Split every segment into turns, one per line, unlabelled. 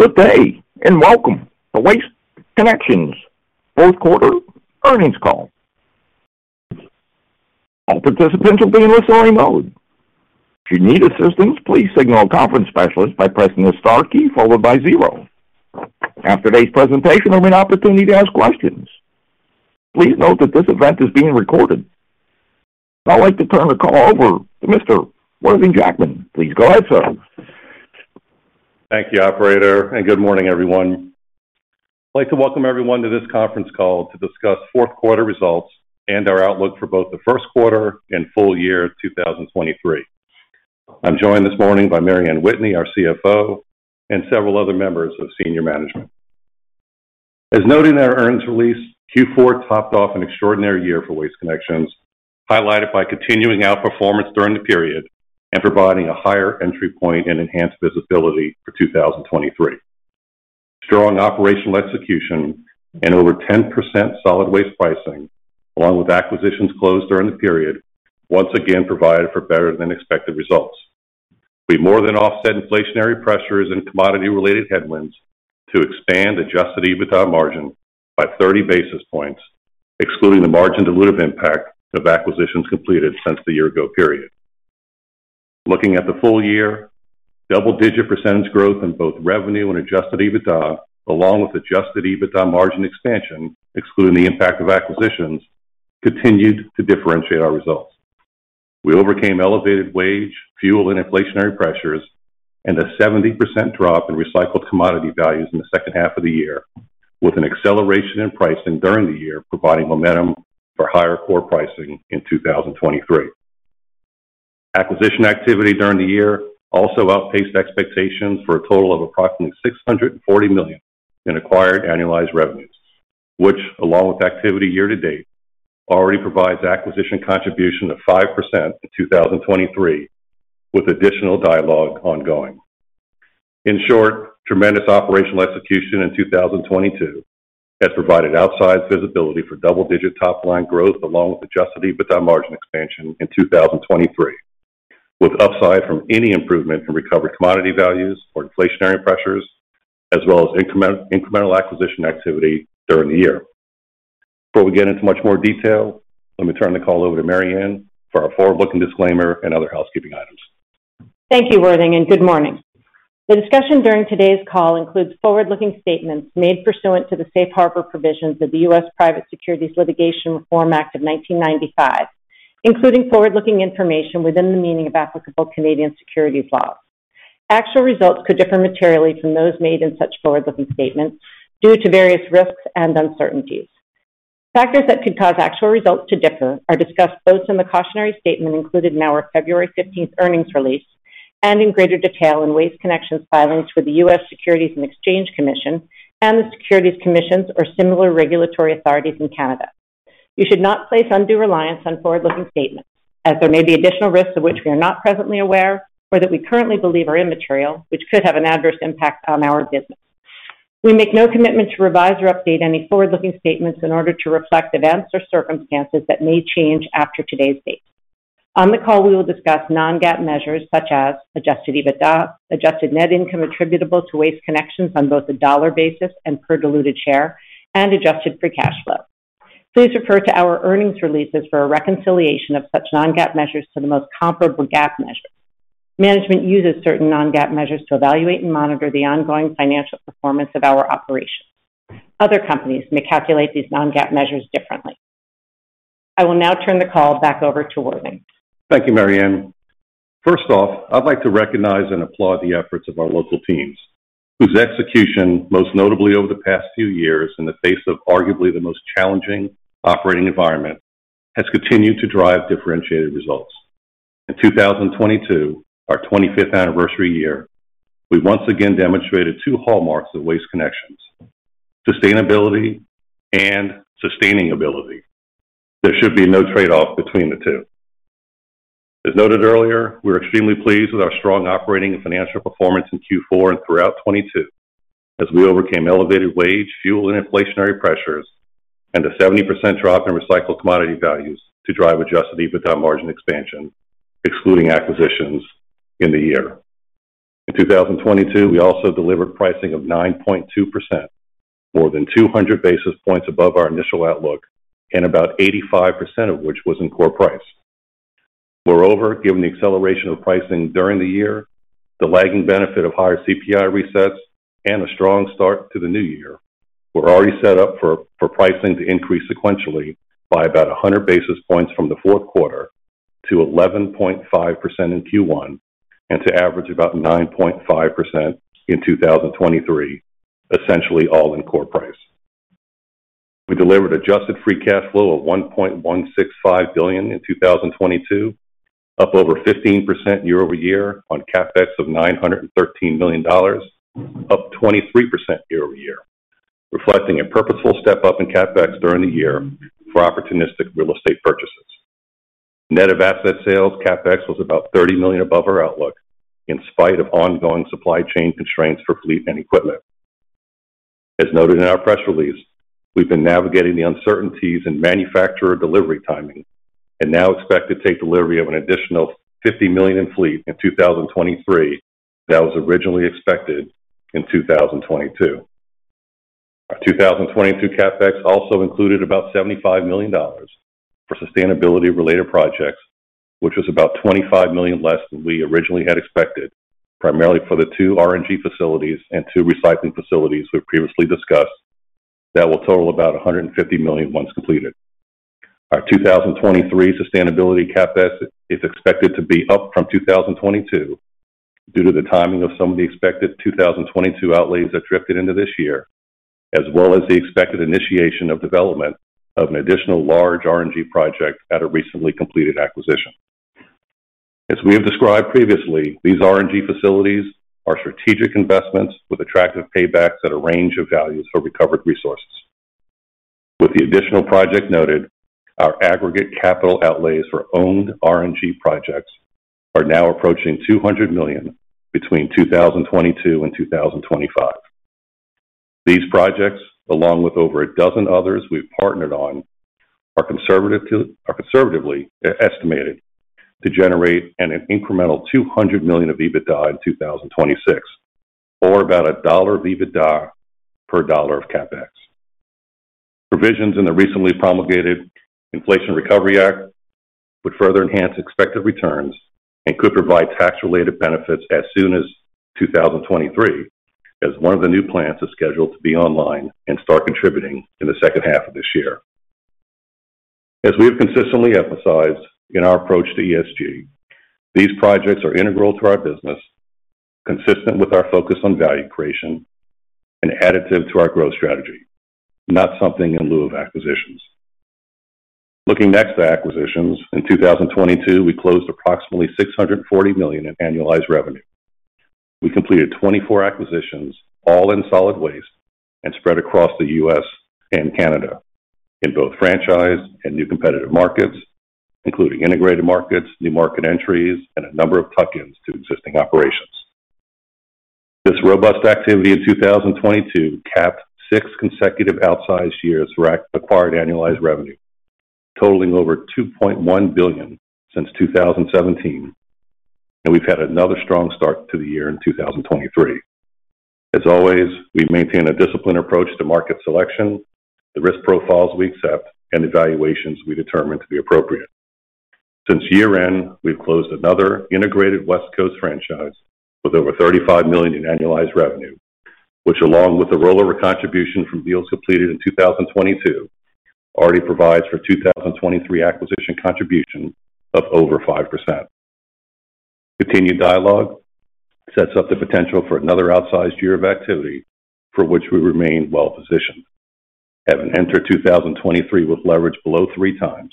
Good day, and welcome to Waste Connections fourth quarter earnings call. All participants will be in listen-only mode. If you need assistance, please signal a conference specialist by pressing the star key followed by zero. After today's presentation, there will be an opportunity to ask questions. Please note that this event is being recorded. Now I'd like to turn the call over to Mr. Worthing Jackman. Please go ahead, sir.
Thank you, Operator. Good morning, everyone. I'd like to welcome everyone to this conference call to discuss fourth quarter results and our outlook for both the first quarter and full year 2023. I'm joined this morning by Mary Anne Whitney, our CFO, and several other members of senior management. As noted in our earnings release, Q4 topped off an extraordinary year for Waste Connections, highlighted by continuing outperformance during the period and providing a higher entry point and enhanced visibility for 2023. Strong operational execution and over 10% solid waste pricing, along with acquisitions closed during the period, once again provided for better-than-expected results. We more than offset inflationary pressures and commodity-related headwinds to expand adjusted EBITDA margin by 30 basis points, excluding the margin dilutive impact of acquisitions completed since the year-ago period. Looking at the full year, double-digit percentage growth in both revenue and adjusted EBITDA, along with adjusted EBITDA margin expansion, excluding the impact of acquisitions, continued to differentiate our results. We overcame elevated wage, fuel, and inflationary pressures and a 70% drop in recycled commodity values in the second half of the year, with an acceleration in pricing during the year providing momentum for higher core pricing in 2023. Acquisition activity during the year also outpaced expectations for a total of approximately $640 million in acquired annualized revenues, which, along with activity year to date, already provides acquisition contribution of 5% in 2023, with additional dialogue ongoing. In short, tremendous operational execution in 2022 has provided outsized visibility for double-digit top-line growth along with adjusted EBITDA margin expansion in 2023, with upside from any improvement in recovered commodity values or inflationary pressures, as well as incremental acquisition activity during the year. Before we get into much more detail, let me turn the call over to Mary Anne for our forward-looking disclaimer and other housekeeping items.
Thank you, Worthing, and good morning. The discussion during today's call includes forward-looking statements made pursuant to the Safe Harbor Provisions of the U.S. Private Securities Litigation Reform Act of 1995, including forward-looking information within the meaning of applicable Canadian securities laws. Actual results could differ materially from those made in such forward-looking statements due to various risks and uncertainties. Factors that could cause actual results to differ are discussed both in the cautionary statement included in our February 15th earnings release and in greater detail in Waste Connections filings with the U.S. Securities and Exchange Commission and the Securities Commissions or similar regulatory authorities in Canada. You should not place undue reliance on forward-looking statements as there may be additional risks of which we are not presently aware or that we currently believe are immaterial, which could have an adverse impact on our business. We make no commitment to revise or update any forward-looking statements in order to reflect events or circumstances that may change after today's date. On the call, we will discuss non-GAAP measures such as adjusted EBITDA, adjusted net income attributable to Waste Connections on both a dollar basis and per diluted share, and adjusted free cash flow. Please refer to our earnings releases for a reconciliation of such non-GAAP measures to the most comparable GAAP measure. Management uses certain non-GAAP measures to evaluate and monitor the ongoing financial performance of our operations. Other companies may calculate these non-GAAP measures differently. I will now turn the call back over to Worthing.
Thank you, Mary Anne. First off, I'd like to recognize and applaud the efforts of our local teams, whose execution, most notably over the past few years in the face of arguably the most challenging operating environment, has continued to drive differentiated results. In 2022, our 25th anniversary year, we once again demonstrated two hallmarks of Waste Connections: sustainability and sustaining ability. There should be no trade-off between the two. As noted earlier, we're extremely pleased with our strong operating and financial performance in Q4 and throughout 22 as we overcame elevated wage, fuel, and inflationary pressures and a 70% drop in recycled commodity values to drive adjusted EBITDA margin expansion, excluding acquisitions in the year. In 2022, we also delivered pricing of 9.2%, more than 200 basis points above our initial outlook, about 85% of which was in core price. Moreover, given the acceleration of pricing during the year, the lagging benefit of higher CPI resets and a strong start to the new year, we're already set up for pricing to increase sequentially by about 100 basis points from the fourth quarter to 11.5% in Q1 and to average about 9.5% in 2023, essentially all in core price. We delivered adjusted free cash flow of $1.165 billion in 2022, up over 15% year-over-year on CapEx of $913 million, up 23% year-over-year, reflecting a purposeful step-up in CapEx during the year for opportunistic real estate purchases. Net of asset sales, CapEx was about $30 million above our outlook in spite of ongoing supply chain constraints for fleet and equipment. As noted in our press release, we've been navigating the uncertainties in manufacturer delivery timing and now expect to take delivery of an additional $50 million in fleet in 2023 that was originally expected in 2022. Our 2022 CapEx also included about $75 million for sustainability-related projects, which was about $25 million less than we originally had expected, primarily for the two RNG facilities and two recycling facilities we've previously discussed that will total about $150 million once completed. Our 2023 sustainability CapEx is expected to be up from 2022 due to the timing of some of the expected 2022 outlays that drifted into this year, as well as the expected initiation of development of an additional large RNG project at a recently completed acquisition. As we have described previously, these RNG facilities are strategic investments with attractive paybacks at a range of values for recovered resources. With the additional project noted, our aggregate capital outlays for owned RNG projects are now approaching $200 million between 2022 and 2025. These projects, along with over a dozen others we've partnered on, are conservatively estimated to generate an incremental $200 million of EBITDA in 2026, or about $1 of EBITDA per $1 of CapEx. Provisions in the recently promulgated Inflation Reduction Act would further enhance expected returns and could provide tax-related benefits as soon as 2023, as one of the new plants is scheduled to be online and start contributing in the second half of this year. As we have consistently emphasized in our approach to ESG, these projects are integral to our business, consistent with our focus on value creation and additive to our growth strategy, not something in lieu of acquisitions. Looking next to acquisitions. In 2022, we closed approximately $640 million in annualized revenue. We completed 24 acquisitions, all in solid waste and spread across the US and Canada in both franchise and new competitive markets, including integrated markets, new market entries, and a number of tuck-ins to existing operations. This robust activity in 2022 capped 6 consecutive outsized years for acquired annualized revenue, totaling over $2.1 billion since 2017. We've had another strong start to the year in 2023. As always, we maintain a disciplined approach to market selection, the risk profiles we accept, and the valuations we determine to be appropriate. Since year-end, we've closed another integrated West Coast franchise with over $35 million in annualized revenue, which, along with the rollover contribution from deals completed in 2022, already provides for 2023 acquisition contribution of over 5%. Continued dialogue sets up the potential for another outsized year of activity, for which we remain well-positioned. Having entered 2023 with leverage below 3x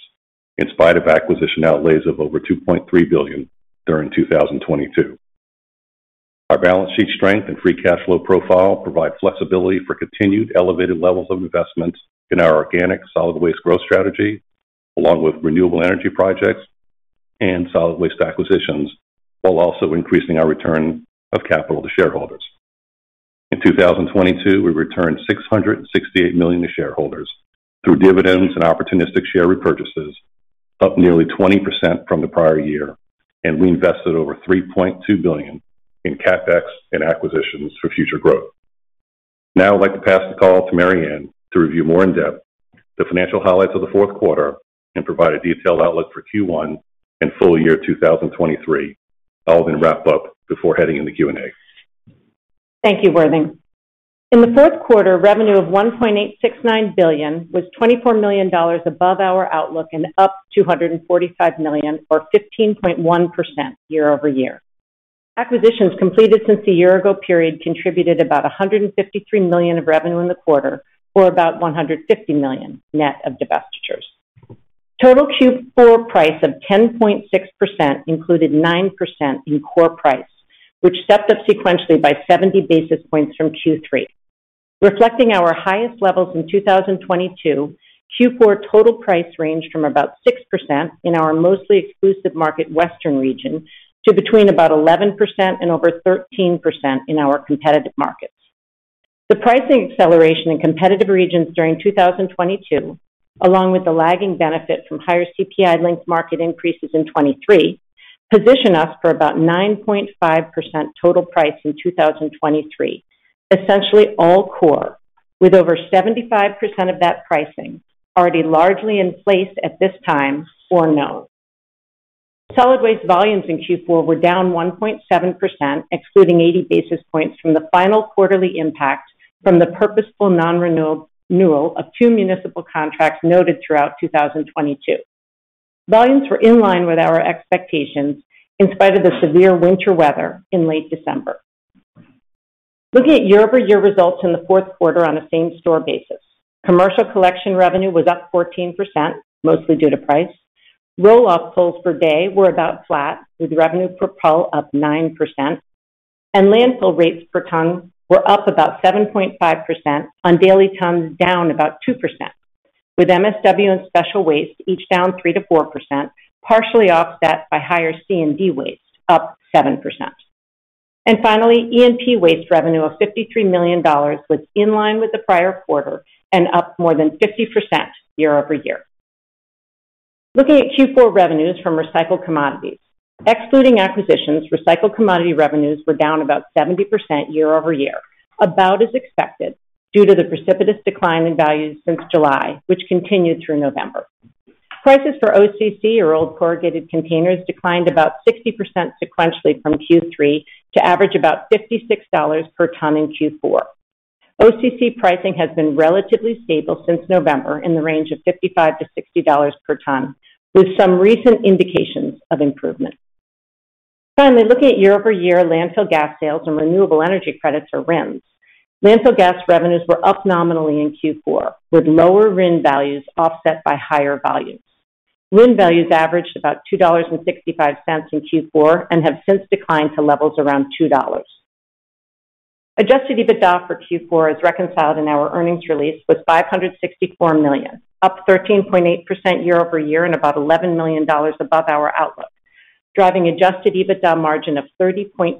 in spite of acquisition outlays of over $2.3 billion during 2022. Our balance sheet strength and free cash flow profile provide flexibility for continued elevated levels of investments in our organic solid waste growth strategy, along with renewable energy projects and solid waste acquisitions, while also increasing our return of capital to shareholders. In 2022, we returned $668 million to shareholders through dividends and opportunistic share repurchases, up nearly 20% from the prior year. We invested over $3.2 billion in CapEx and acquisitions for future growth. I'd like to pass the call to Mary Anne to review more in depth the financial highlights of the fourth quarter and provide a detailed outlook for Q1 and full year 2023, all then wrap up before heading in the Q&A.
Thank you, Worthing. In the fourth quarter, revenue of $1.869 billion was $24 million above our outlook and up $245 million or 15.1% year-over-year. Acquisitions completed since the year ago period contributed about $153 million of revenue in the quarter, or about $150 million net of divestitures. Total Q4 price of 10.6% included 9% in core price, which stepped up sequentially by 70 basis points from Q3. Reflecting our highest levels in 2022, Q4 total price ranged from about 6% in our mostly exclusive market Western region to between about 11% and over 13% in our competitive markets. The pricing acceleration in competitive regions during 2022, along with the lagging benefit from higher CPI-linked market increases in 2023, position us for about 9.5% total price in 2023. Essentially all core, with over 75% of that pricing already largely in place at this time or known. Solid waste volumes in Q4 were down 1.7%, excluding 80 basis points from the final quarterly impact from the purposeful nonrenewal of 2 municipal contracts noted throughout 2022. Volumes were in line with our expectations in spite of the severe winter weather in late December. Looking at year-over-year results in the fourth quarter on a same-store basis. Commercial collection revenue was up 14%, mostly due to price. Roll-off pulls per day were about flat, with revenue per pull up 9%. Landfill rates per ton were up about 7.5% on daily tons down about 2%. With MSW and special waste each down 3%-4%, partially offset by higher C&D waste, up 7%. Finally, E&P waste revenue of $53 million was in line with the prior quarter and up more than 50% year-over-year. Looking at Q4 revenues from recycled commodities. Excluding acquisitions, recycled commodity revenues were down about 70% year-over-year. About as expected due to the precipitous decline in values since July, which continued through November. Prices for OCC or Old Corrugated Containers declined about 60% sequentially from Q3 to average about $56 per ton in Q4. OCC pricing has been relatively stable since November in the range of $55-$60 per ton, with some recent indications of improvement. Looking at year-over-year landfill gas sales and renewable energy credits or RINs. Landfill gas revenues were up nominally in Q4, with lower RIN values offset by higher values. RIN values averaged about $2.65 in Q4 and have since declined to levels around $2. Adjusted EBITDA for Q4 is reconciled in our earnings release was $564 million, up 13.8% year-over-year and about $11 million above our outlook, driving adjusted EBITDA margin of 30.2%,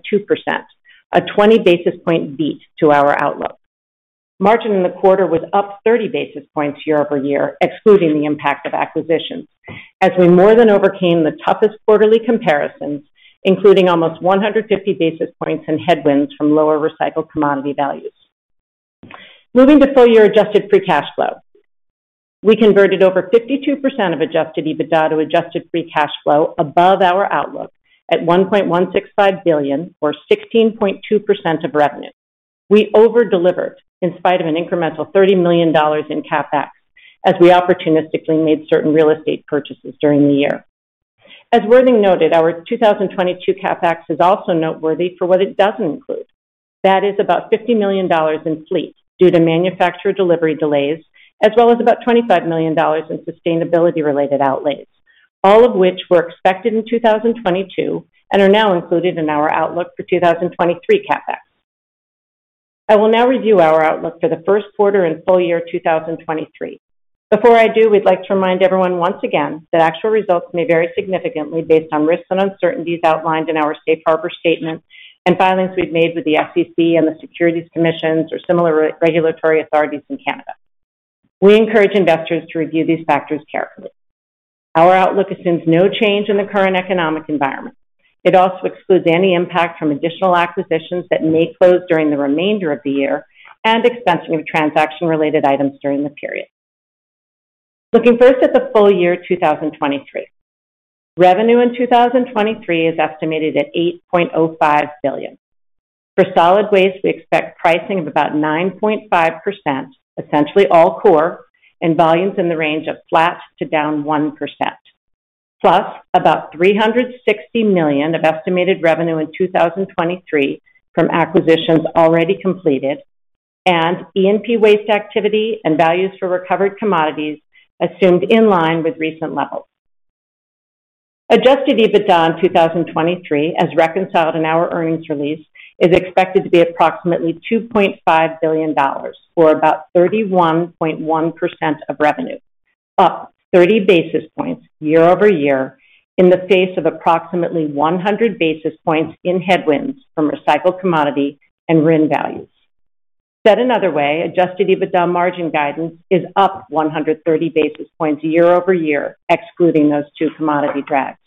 a 20 basis point beat to our outlook. Margin in the quarter was up 30 basis points year-over-year, excluding the impact of acquisitions as we more than overcame the toughest quarterly comparisons, including almost 150 basis points and headwinds from lower recycled commodity values. Moving to full year adjusted free cash flow. We converted over 52% of adjusted EBITDA to adjusted free cash flow above our outlook at $1.165 billion or 16.2% of revenue. We over-delivered in spite of an incremental $30 million in CapEx as we opportunistically made certain real estate purchases during the year. As Worthing noted, our 2022 CapEx is also noteworthy for what it doesn't include. That is about $50 million in fleet due to manufacturer delivery delays, as well as about $25 million in sustainability-related outlays, all of which were expected in 2022 and are now included in our outlook for 2023 CapEx. I will now review our outlook for the first quarter and full year 2023. Before I do, we'd like to remind everyone once again that actual results may vary significantly based on risks and uncertainties outlined in our Safe Harbor statement and filings we've made with the SEC and the Securities Commissions or similar regulatory authorities in Canada. We encourage investors to review these factors carefully. Our outlook assumes no change in the current economic environment. It also excludes any impact from additional acquisitions that may close during the remainder of the year and expensing of transaction-related items during the period. Looking first at the full year 2023. Revenue in 2023 is estimated at $8.05 billion. For solid waste, we expect pricing of about 9.5%, essentially all core, and volumes in the range of flat to down 1%. About $360 million of estimated revenue in 2023 from acquisitions already completed and E&P waste activity and values for recovered commodities assumed in line with recent levels. adjusted EBITDA in 2023, as reconciled in our earnings release, is expected to be approximately $2.5 billion or about 31.1% of revenue, up 30 basis points year-over-year in the face of approximately 100 basis points in headwinds from recycled commodity and RIN values. Said another way, adjusted EBITDA margin guidance is up 130 basis points year-over-year, excluding those two commodity drags.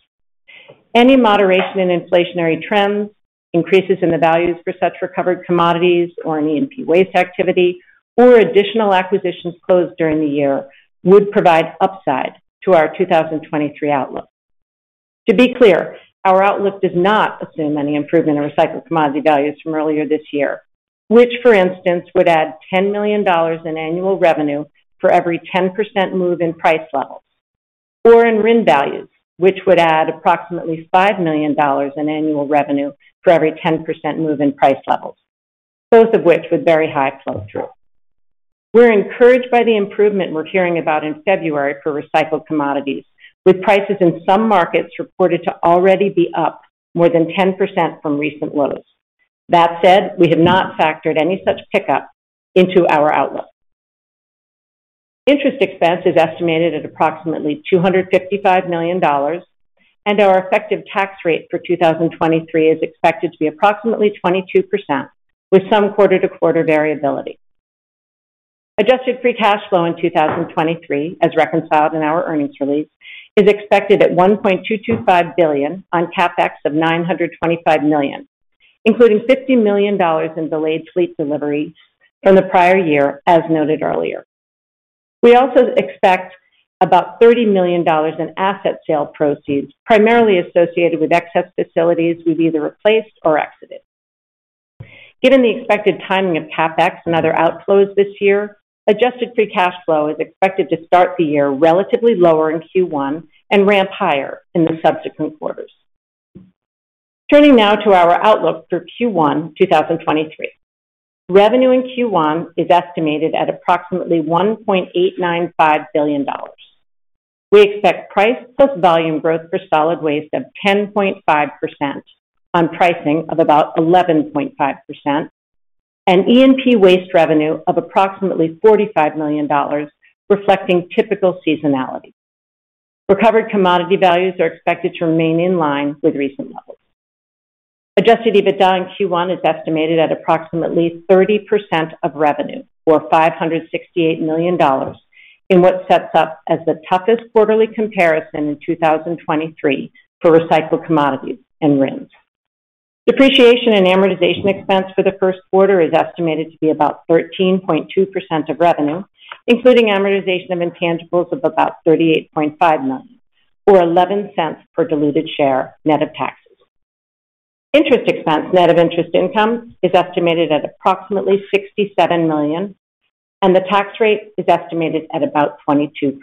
Any moderation in inflationary trends, increases in the values for such recovered commodities or in E&P waste activity or additional acquisitions closed during the year would provide upside to our 2023 outlook. To be clear, our outlook does not assume any improvement in recycled commodity values from earlier this year, which for instance, would add $10 million in annual revenue for every 10% move in price levels, or in RIN values, which would add approximately $5 million in annual revenue for every 10% move in price levels, both of which with very high flow through. We're encouraged by the improvement we're hearing about in February for recycled commodities, with prices in some markets reported to already be up more than 10% from recent lows. That said, we have not factored any such pickup into our outlook. Interest expense is estimated at approximately $255 million, and our effective tax rate for 2023 is expected to be approximately 22%, with some quarter-to-quarter variability. Adjusted free cash flow in 2023, as reconciled in our earnings release, is expected at $1.225 billion on CapEx of $925 million, including $50 million in delayed fleet deliveries from the prior year, as noted earlier. We also expect about $30 million in asset sale proceeds, primarily associated with excess facilities we've either replaced or exited. Given the expected timing of CapEx and other outflows this year, adjusted free cash flow is expected to start the year relatively lower in Q1 and ramp higher in the subsequent quarters. Turning now to our outlook for Q1 2023. Revenue in Q1 is estimated at approximately $1.895 billion. We expect price plus volume growth for solid waste of 10.5% on pricing of about 11.5% and E&P waste revenue of approximately $45 million, reflecting typical seasonality. Recovered commodity values are expected to remain in line with recent levels. Adjusted EBITDA in Q1 is estimated at approximately 30% of revenue, or $568 million in what sets up as the toughest quarterly comparison in 2023 for recycled commodities and RINs. Depreciation and amortization expense for the first quarter is estimated to be about 13.2% of revenue, including amortization of intangibles of about $38.5 million, or $0.11 per diluted share, net of taxes. Interest expense, net of interest income is estimated at approximately $67 million, and the tax rate is estimated at about 22%.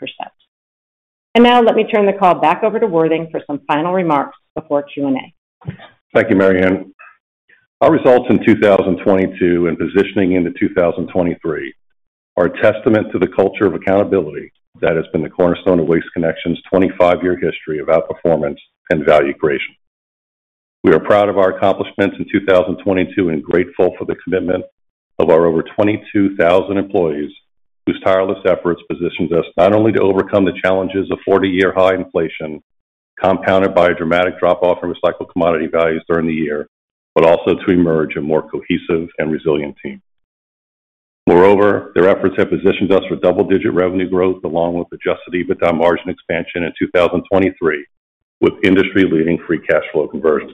Now let me turn the call back over to Worthing for some final remarks before Q&A.
Thank you, Mary Anne. Our results in 2022 and positioning into 2023 are a testament to the culture of accountability that has been the cornerstone of Waste Connections' 25-year history of outperformance and value creation. We are proud of our accomplishments in 2022 and grateful for the commitment of our over 22,000 employees, whose tireless efforts positioned us not only to overcome the challenges of 40-year high inflation, compounded by a dramatic drop-off in recycled commodity values during the year, but also to emerge a more cohesive and resilient team. Moreover, their efforts have positioned us for double-digit revenue growth along with adjusted EBITDA margin expansion in 2023, with industry-leading free cash flow conversion.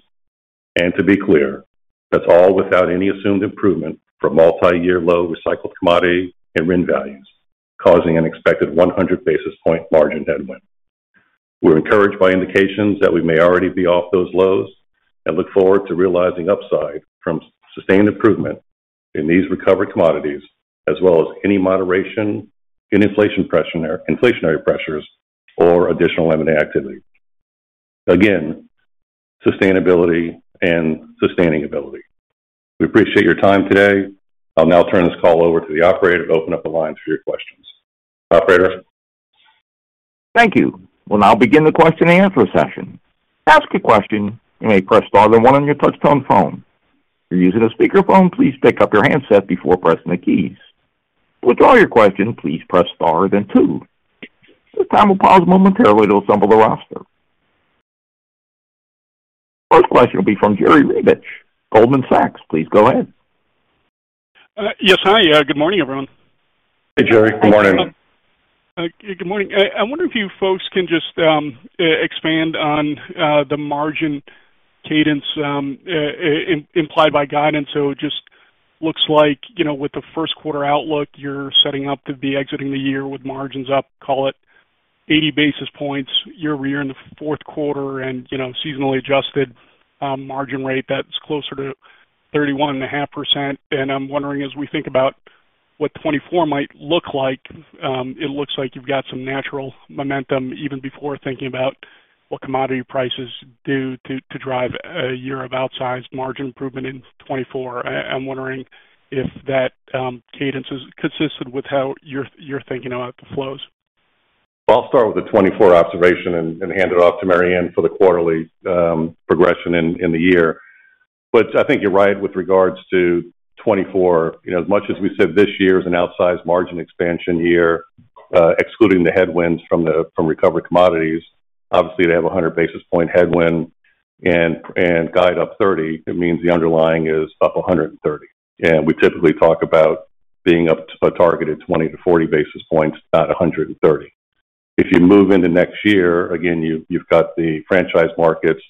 To be clear, that's all without any assumed improvement from multi-year low recycled commodity and RIN values, causing an expected 100 basis point margin headwind. We're encouraged by indications that we may already be off those lows and look forward to realizing upside from sustained improvement in these recovered commodities, as well as any moderation in inflationary pressures or additional M&A activity. Again, sustainability and sustaining ability. We appreciate your time today. I'll now turn this call over to the operator to open up the lines for your questions. Operator?
Thank you. We'll now begin the question and answer session. To ask a question, you may press star then 1 on your touch-tone phone. If you're using a speakerphone, please pick up your handset before pressing the keys. To withdraw your question, please press star then 2. At this time, we'll pause momentarily to assemble the roster. First question will be from Jerry Revich, Goldman Sachs. Please go ahead.
Yes. Hi. Good morning, everyone.
Hey, Jerry. Good morning.
Good morning. I wonder if you folks can just expand on the margin cadence implied by guidance. It just looks like, you know, with the first quarter outlook, you're setting up to be exiting the year with margins up, call it 80 basis points year-over-year in the fourth quarter and, you know, seasonally adjusted margin rate that's closer to 31.5%. I'm wondering, as we think about what 2024 might look like, it looks like you've got some natural momentum even before thinking about what commodity prices do to drive a year of outsized margin improvement in 2024. I'm wondering if that cadence is consistent with how you're thinking about the flows.
I'll start with the 2024 observation and hand it off to Mary Anne for the quarterly progression in the year. I think you're right with regards to 2024. You know, as much as we said this year is an outsized margin expansion year, excluding the headwinds from recovery commodities, obviously, they have a 100 basis point headwind and guide up 30. It means the underlying is up 130. We typically talk about being up a targeted 20 to 40 basis points, not 130. If you move into next year, again, you've got the franchise markets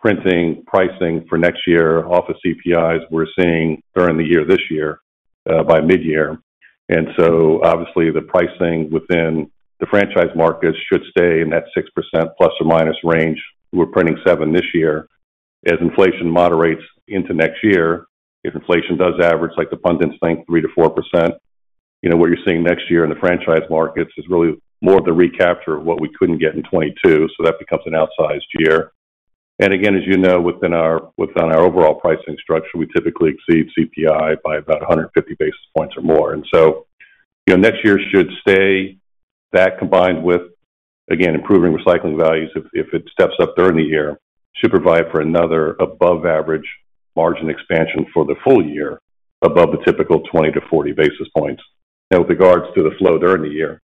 printing pricing for next year off of CPIs we're seeing during the year this year by mid-year. Obviously the pricing within the franchise markets should stay in that 6% plus or minus range. We're printing 7 this year. As inflation moderates into next year, if inflation does average, like the pundits think, 3%-4%, you know, what you're seeing next year in the franchise markets is really more of the recapture of what we couldn't get in 2022. That becomes an outsized year. Again, as you know, within our overall pricing structure, we typically exceed CPI by about 150 basis points or more. You know, next year should stay. That combined with, again, improving recycling values, if it steps up during the year, should provide for another above average margin expansion for the full year above the typical 20-40 basis points. With regards to the flow during the year.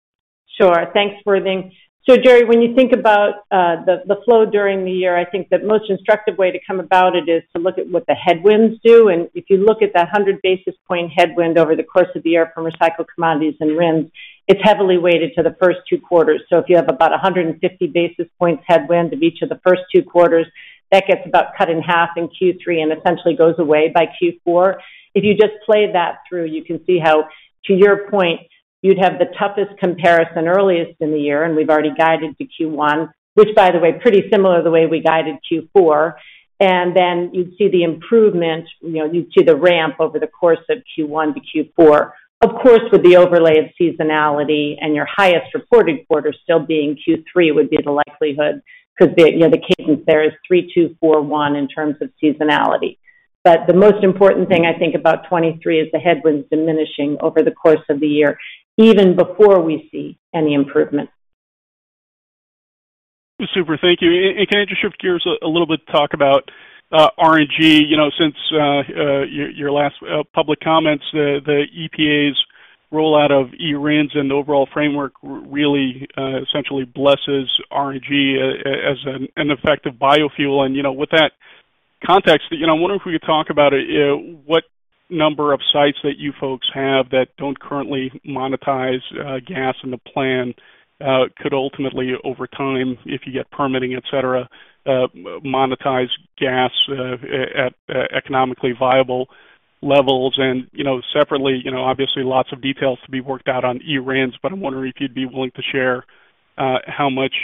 Sure. Thanks, Worthing. Jerry, when you think about the flow during the year, I think the most instructive way to come about it is to look at what the headwinds do. If you look at that 100 basis points headwind over the course of the year from recycled commodities and RINs, it's heavily weighted to the first two quarters. If you have about 150 basis points headwind of each of the first two quarters, that gets about cut in half in Q3 and essentially goes away by Q4. If you just play that through, you can see how, to your point, you'd have the toughest comparison earliest in the year, and we've already guided to Q1, which by the way, pretty similar the way we guided Q4. You'd see the improvement, you know, you'd see the ramp over the course of Q1 to Q4. Of course, with the overlay of seasonality and your highest reported quarter still being Q3 would be the likelihood, because the, you know, the cadence there is three, two, four, one in terms of seasonality. The most important thing I think about 2023 is the headwinds diminishing over the course of the year even before we see any improvement.
Super, thank you. Can I just shift gears a little bit to talk about RNG. You know, since your last public comments, the EPA's rollout of eRINs and the overall framework really essentially blesses RNG as an effective biofuel. You know, with that context, you know, I wonder if we could talk about what number of sites that you folks have that don't currently monetize gas and the plan could ultimately over time, if you get permitting, et cetera, monetize gas at economically viable levels. You know, separately, you know, obviously lots of details to be worked out on eRINs, but I'm wondering if you'd be willing to share how much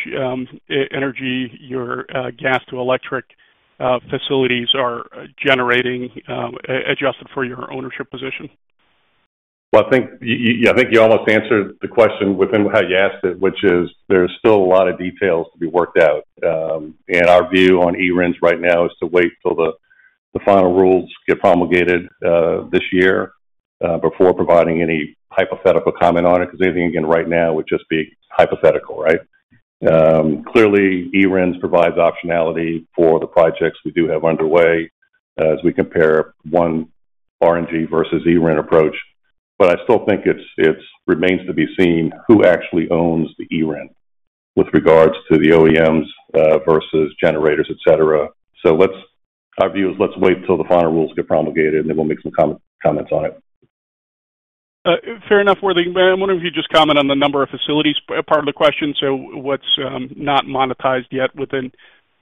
energy your gas to electric facilities are generating adjusted for your ownership position.
Well, I think yeah, I think you almost answered the question within how you asked it, which is there's still a lot of details to be worked out. Our view on eRINs right now is to wait till the final rules get promulgated this year before providing any hypothetical comment on it 'cause anything, again, right now would just be hypothetical, right? Clearly, eRINs provides optionality for the projects we do have underway as we compare one RNG versus eRIN approach. I still think it's remains to be seen who actually owns the eRIN with regards to the OEMs versus generators, et cetera. Our view is let's wait till the final rules get promulgated, and then we'll make some comments on it.
Fair enough. Worthing, I wonder if you just comment on the number of facilities part of the question? What's not monetized yet within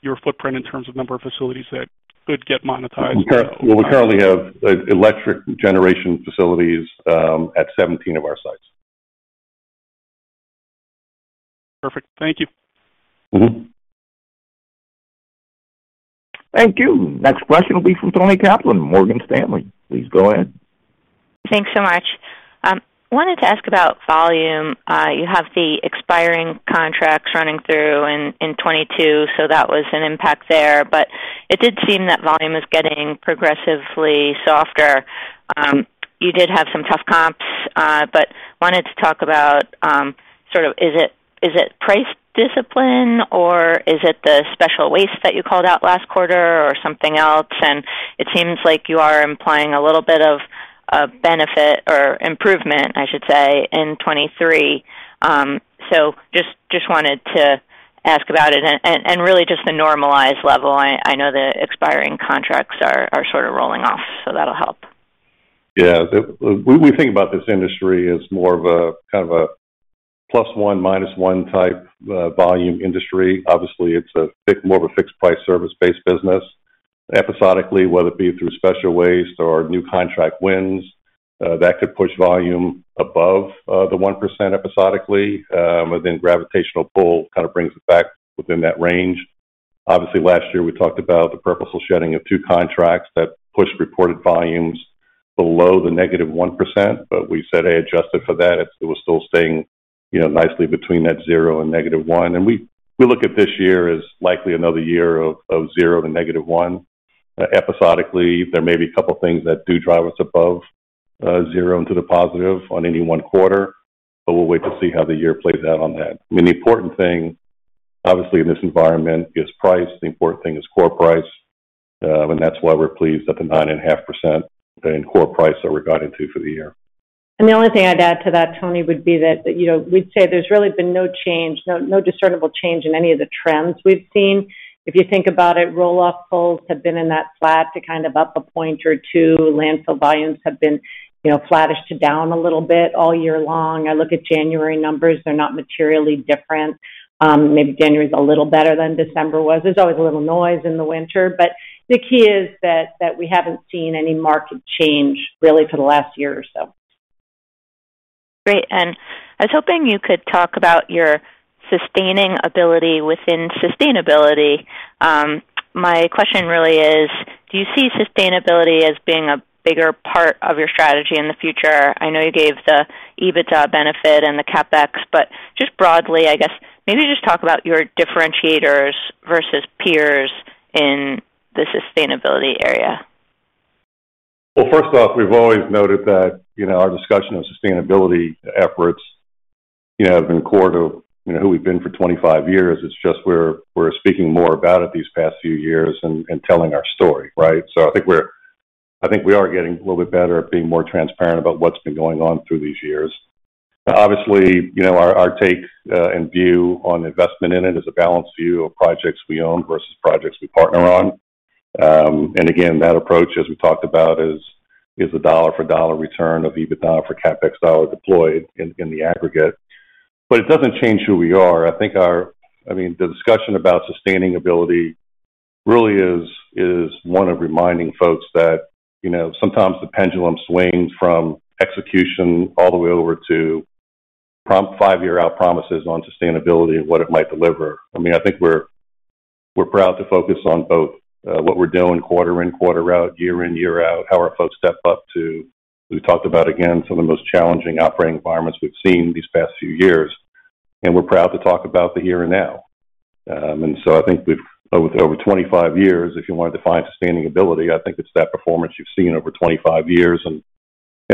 your footprint in terms of number of facilities that could get monetized?
Well, we currently have electric generation facilities at 17 of our sites.
Perfect. Thank you.
Mm-hmm.
Thank you. Next question will be from Toni Kaplan, Morgan Stanley. Please go ahead.
Thanks so much. Wanted to ask about volume. You have the expiring contracts running through in 2022, so that was an impact there. It did seem that volume is getting progressively softer. You did have some tough comps, but wanted to talk about sort of is it, is it price discipline or is it the special waste that you called out last quarter or something else? It seems like you are implying a little bit of a benefit or improvement, I should say, in 2023. Just wanted to ask about it and really just the normalized level. I know the expiring contracts are sort of rolling off, so that'll help.
We think about this industry as more of a kind of a plus 1 minus 1 type volume industry. Obviously, it's more of a fixed price service-based business. Episodically, whether it be through special waste or new contract wins, that could push volume above the 1% episodically, but then gravitational pull kind of brings it back within that range. Obviously, last year, we talked about the purposeful shedding of 2 contracts that pushed reported volumes below the negative 1%, but we said, hey, adjusted for that, it was still staying, you know, nicely between that 0 and negative 1. We look at this year as likely another year of 0 to negative 1. Episodically, there may be a couple of things that do drive us above zero into the positive on any one quarter, but we'll wait to see how the year plays out on that. I mean, the important thing, obviously, in this environment is price. The important thing is core price, and that's why we're pleased that the 9.5% in core price that we're guiding to for the year.
The only thing I'd add to that, Toni, would be that, you know, we'd say there's really been no change, no discernible change in any of the trends we've seen. If you think about it, roll-off pulls have been in that flat to kind of up a point or two. Landfill volumes have been, you know, flattish to down a little bit all year long. I look at January numbers, they're not materially different. Maybe January's a little better than December was. There's always a little noise in the winter, but the key is that we haven't seen any market change really for the last year or so.
Great. I was hoping you could talk about your sustaining ability within sustainability. My question really is: do you see sustainability as being a bigger part of your strategy in the future? I know you gave the EBITDA benefit and the CapEx, just broadly, I guess maybe just talk about your differentiators versus peers in the sustainability area.
First off, we've always noted that, you know, our discussion of sustainability efforts, you know, have been core to, you know, who we've been for 25 years. It's just we're speaking more about it these past few years and telling our story, right? I think we are getting a little bit better at being more transparent about what's been going on through these years. Obviously, you know, our take and view on investment in it is a balanced view of projects we own versus projects we partner on. Again, that approach, as we talked about, is a dollar for dollar return of EBITDA for CapEx dollar deployed in the aggregate. It doesn't change who we are. I think our... I mean, the discussion about sustaining ability really is one of reminding folks that, you know, sometimes the pendulum swings from execution all the way over to 5-year out promises on sustainability and what it might deliver. I mean, I think we're proud to focus on both what we're doing quarter in, quarter out, year in, year out, how our folks step up to. We've talked about, again, some of the most challenging operating environments we've seen these past few years, and we're proud to talk about the here and now. I think we've over 25 years, if you want to define sustainability, I think it's that performance you've seen over 25 years and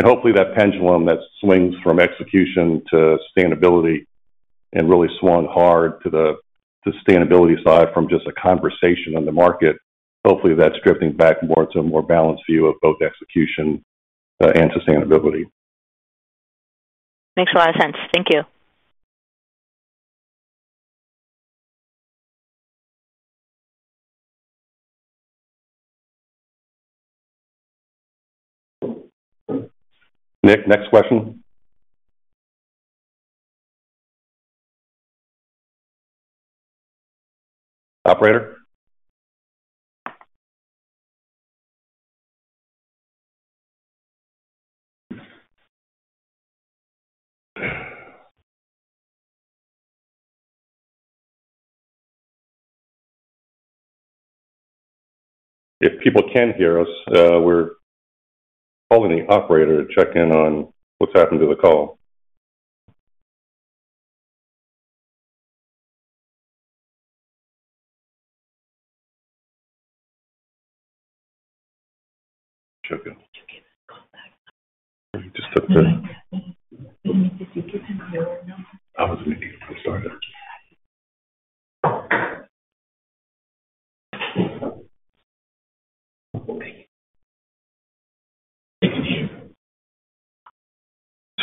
hopefully that pendulum that swings from execution to sustainability and really swung hard to the sustainability side from just a conversation in the market. Hopefully, that's drifting back towards a more balanced view of both execution, and sustainability.
Makes a lot of sense. Thank you.
Nick, next question. Operator. If people can hear us, we're calling the operator to check in on what's happened to the call. I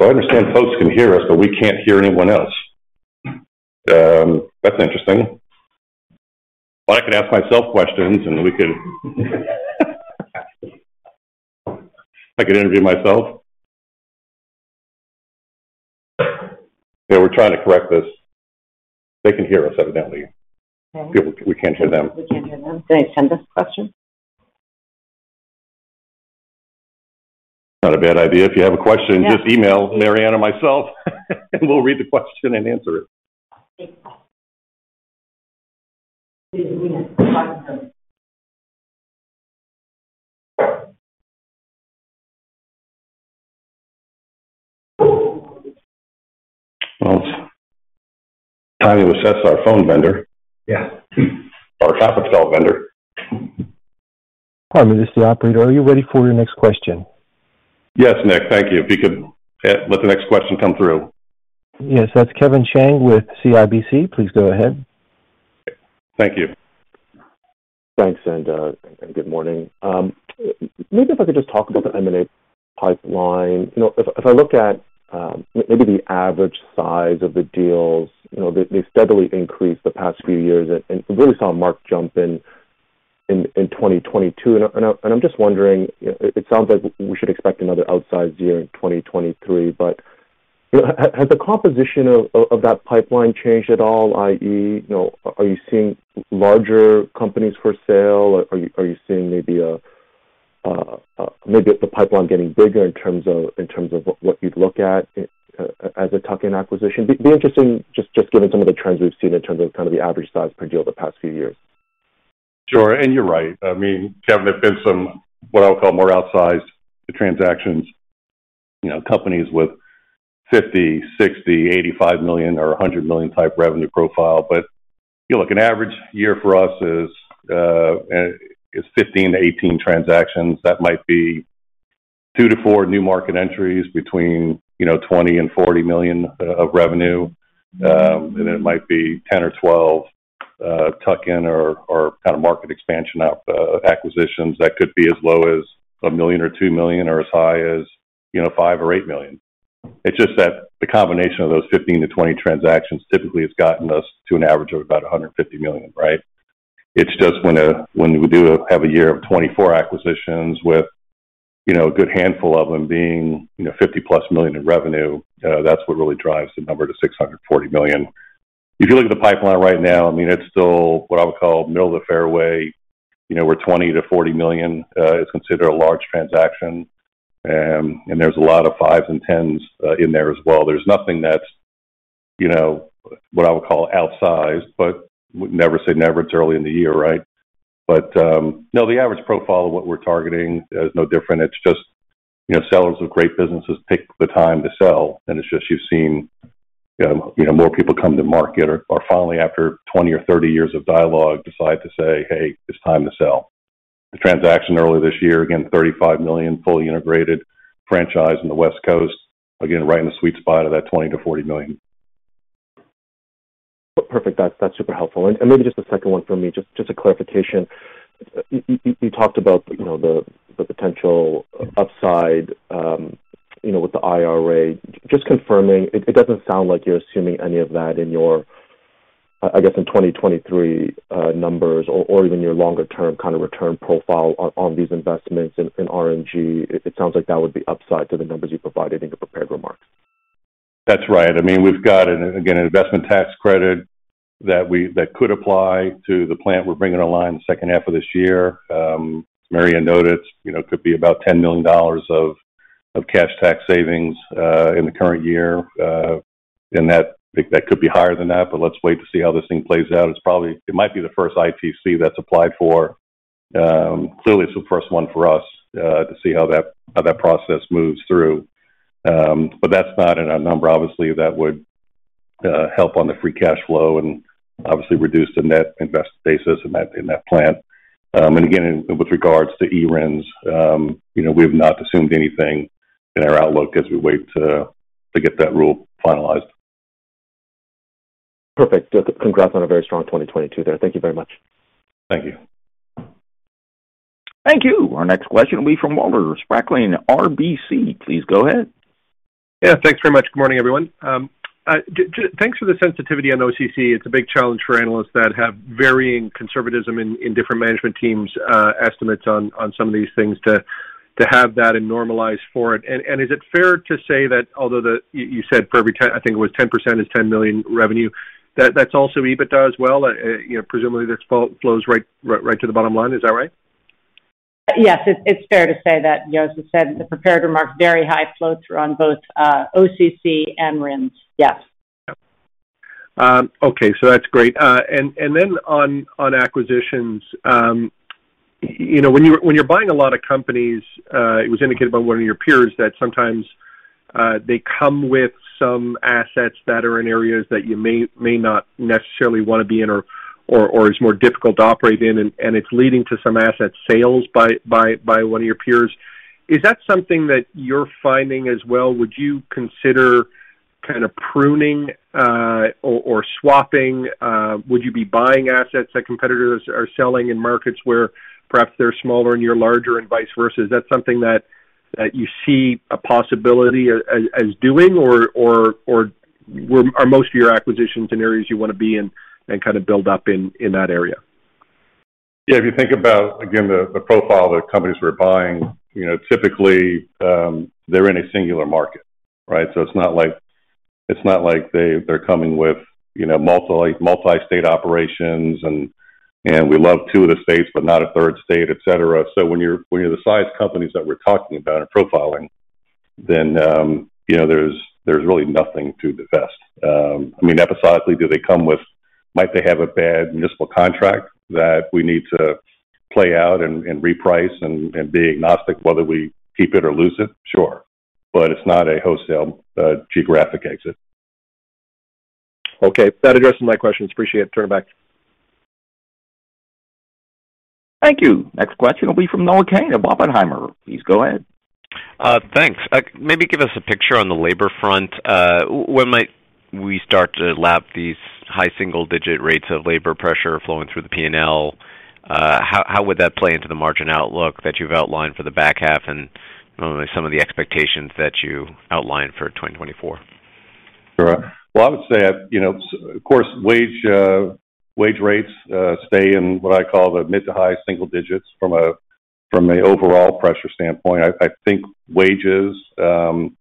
understand folks can hear us, but we can't hear anyone else. That's interesting. Well, I can ask myself questions, I could interview myself. Yeah, we're trying to correct this. They can hear us, evidently. We can't hear them.
We can't hear them. Can they send us questions?
Not a bad idea. If you have a question, just email Mary Anne or myself and we'll read the question and answer it. Well, it's time we assess our phone vendor.
Yeah.
Our conference call vendor.
Pardon me. This is the operator. Are you ready for your next question?
Yes, Nick. Thank you. If you could let the next question come through.
Yes, that's Kevin Chiang with CIBC. Please go ahead. Thank you.
Thanks. Good morning. Maybe if I could just talk about the M&A pipeline. You know, if I look at, maybe the average size of the deals, you know, they steadily increased the past few years and really saw a mark jump in 2022. I'm just wondering, it sounds like we should expect another outsized year in 2023. You know, has the composition of that pipeline changed at all? I.e., you know, are you seeing larger companies for sale? Are you seeing maybe a, maybe the pipeline getting bigger in terms of what you'd look at as a tuck-in acquisition? Be interesting just given some of the trends we've seen in terms of kind of the average size per deal the past few years.
Sure. You're right. I mean, Kevin, there have been some, what I would call more outsized transactions, you know, companies with $50 million, $60 million, $85 million or $100 million type revenue profile. You look, an average year for us is 15 to 18 transactions. That might be 2 to 4 new market entries between, you know, $20 million and $40 million of revenue. It might be 10 or 12 tuck-in or kind of market expansion acquisitions that could be as low as $1 million or $2 million or as high as, you know, $5 million or $8 million. It's just that the combination of those 15 to 20 transactions typically has gotten us to an average of about $150 million, right? It's just when we do have a year of 24 acquisitions with, you know, a good handful of them being, you know, $50+ million in revenue, that's what really drives the number to $640 million. If you look at the pipeline right now, I mean, it's still what I would call middle of the fairway. You know, where $20 million-$40 million is considered a large transaction. There's a lot of 5s and 10s in there as well. There's nothing that's, you know, what I would call outsized, but never say never. It's early in the year, right? No, the average profile of what we're targeting is no different. It's just, you know, sellers of great businesses take the time to sell, and it's just you've seen, you know, more people come to market or finally, after 20 or 30 years of dialogue, decide to say, Hey, it's time to sell. The transaction earlier this year, again, $35 million, fully integrated franchise on the West Coast. Again, right in the sweet spot of that $20 million-$40 million.
Perfect. That's, that's super helpful. Maybe just a second one for me, just a clarification. You talked about, you know, the potential upside, you know, with the IRA. Just confirming, it doesn't sound like you're assuming any of that in your, I guess, in 2023 numbers or even your longer-term kind of return profile on these investments in RNG. It sounds like that would be upside to the numbers you provided in the prepared remarks.
That's right. I mean, we've got, again, an investment tax credit that could apply to the plant we're bringing online the second half of this year. Mary Anne noted, you know, could be about $10 million of cash tax savings in the current year. That could be higher than that, but let's wait to see how this thing plays out. It might be the first ITC that's applied for. Clearly, it's the first one for us to see how that process moves through. That's not in our number. Obviously, that would help on the free cash flow and obviously reduce the net invest basis in that plant. Again, with regards to eRINs, you know, we have not assumed anything in our outlook as we wait to get that rule finalized.
Perfect. Congrats on a very strong 2022 there. Thank you very much.
Thank you.
Thank you. Our next question will be from Walter Spracklin, RBC. Please go ahead.
Thanks very much. Good morning, everyone. Thanks for the sensitivity on OCC. It's a big challenge for analysts that have varying conservatism in different management teams' estimates on some of these things to have that and normalize for it. Is it fair to say that although you said for every 10, I think it was 10% is $10 million revenue, that's also EBITDA as well? You know, presumably, that flows right to the bottom line. Is that right?
Yes. It's fair to say that. As I said in the prepared remarks, very high flow-through on both OCC and RINs. Yes.
That's great. Then on acquisitions, you know, when you're buying a lot of companies, it was indicated by one of your peers that sometimes they come with some assets that are in areas that you may not necessarily wanna be in or is more difficult to operate in, and it's leading to some asset sales by one of your peers. Is that something that you're finding as well? Would you consider kind of pruning or swapping? Would you be buying assets that competitors are selling in markets where perhaps they're smaller and you're larger and vice versa? Is that something that you see a possibility as doing or are most of your acquisitions in areas you wanna be in and kind of build up in that area?
Yeah. If you think about, again, the profile of the companies we're buying, you know, typically, they're in a singular market, right? It's not like they're coming with, you know, multi-state operations and we love 2 of the states, but not a 3rd state, et cetera. When you're the size companies that we're talking about and profiling, then, you know, there's really nothing to divest. I mean, episodically, Might they have a bad municipal contract that we need to play out and reprice and be agnostic whether we keep it or lose it? Sure. It's not a wholesale geographic exit.
Okay. That addresses my questions. Appreciate it. Turn it back.
Thank you. Next question will be from Noah Kaye of Oppenheimer. Please go ahead.
Thanks. Maybe give us a picture on the labor front. When might we start to lap these high single-digit rates of labor pressure flowing through the P&L? How would that play into the margin outlook that you've outlined for the back half and some of the expectations that you outlined for 2024?
Sure. Well, I would say, you know, of course, wage wage rates stay in what I call the mid to high single digits from an overall pressure standpoint. I think wages and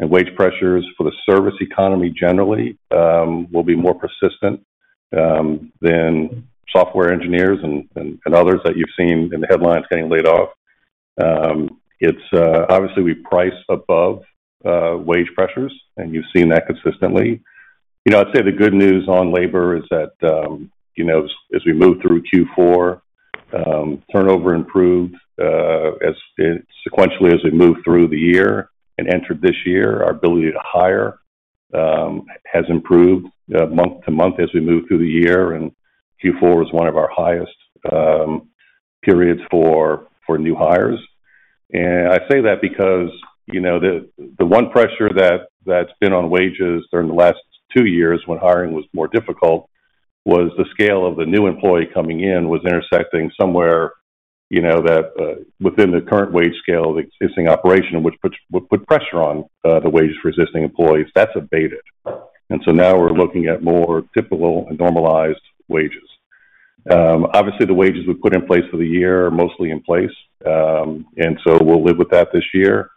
wage pressures for the service economy generally will be more persistent than software engineers and others that you've seen in the headlines getting laid off. Obviously we price above wage pressures, and you've seen that consistently. You know, I'd say the good news on labor is that, you know, as we move through Q4, turnover improved sequentially as we moved through the year and entered this year. Our ability to hire has improved month to month as we move through the year, and Q4 was one of our highest periods for new hires. I say that because, you know, the one pressure that's been on wages during the last two years when hiring was more difficult was the scale of the new employee coming in was intersecting somewhere, you know, that within the current wage scale of existing operation, which would put pressure on the wages for existing employees. That's abated. Now we're looking at more typical and normalized wages. Obviously the wages we put in place for the year are mostly in place. So we'll live with that this year.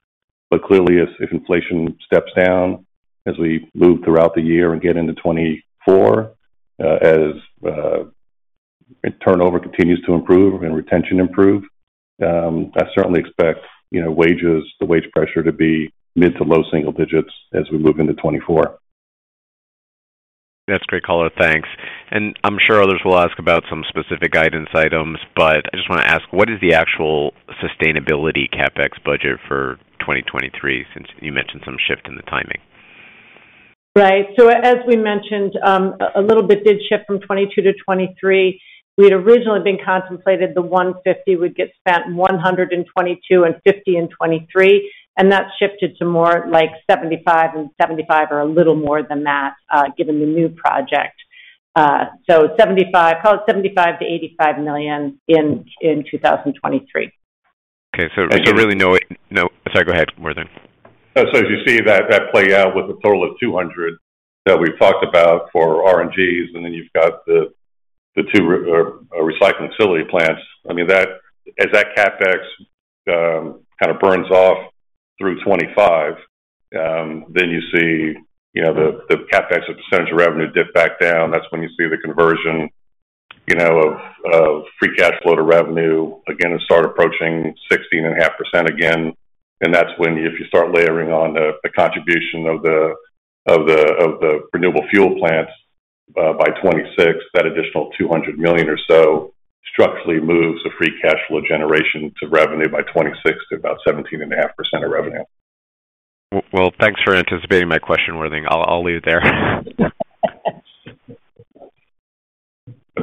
Clearly, if inflation steps down as we move throughout the year and get into 2024, as turnover continues to improve and retention improve, I certainly expect, you know, wages, the wage pressure to be mid to low single digits as we move into 2024.
That's great color. Thanks. I'm sure others will ask about some specific guidance items, but I just wanna ask, what is the actual sustainability CapEx budget for 2023 since you mentioned some shift in the timing?
Right. As we mentioned, a little bit did shift from 2022 to 2023. We'd originally been contemplated the $150 would get spent $122.50 in 2023, and that shifted to more like $75 and $75 or a little more than that, given the new project. Call it $75 million-$85 million in 2023.
Okay. Sorry, go ahead, Worthing.
As you see that play out with a total of 200 that we've talked about for RNGs, and then you've got the two recycling facility plants. I mean, as that CapEx kind of burns off through 2025, then you see, you know, the CapEx as a % of revenue dip back down. That's when you see the conversion, you know, of free cash flow to revenue again start approaching 16.5% again. That's when if you start layering on the contribution of the renewable fuel plants by 2026, that additional $200 million or so structurally moves the free cash flow generation to revenue by 2026 to about 17.5% of revenue.
well, thanks for anticipating my question, Worthing. I'll leave it there.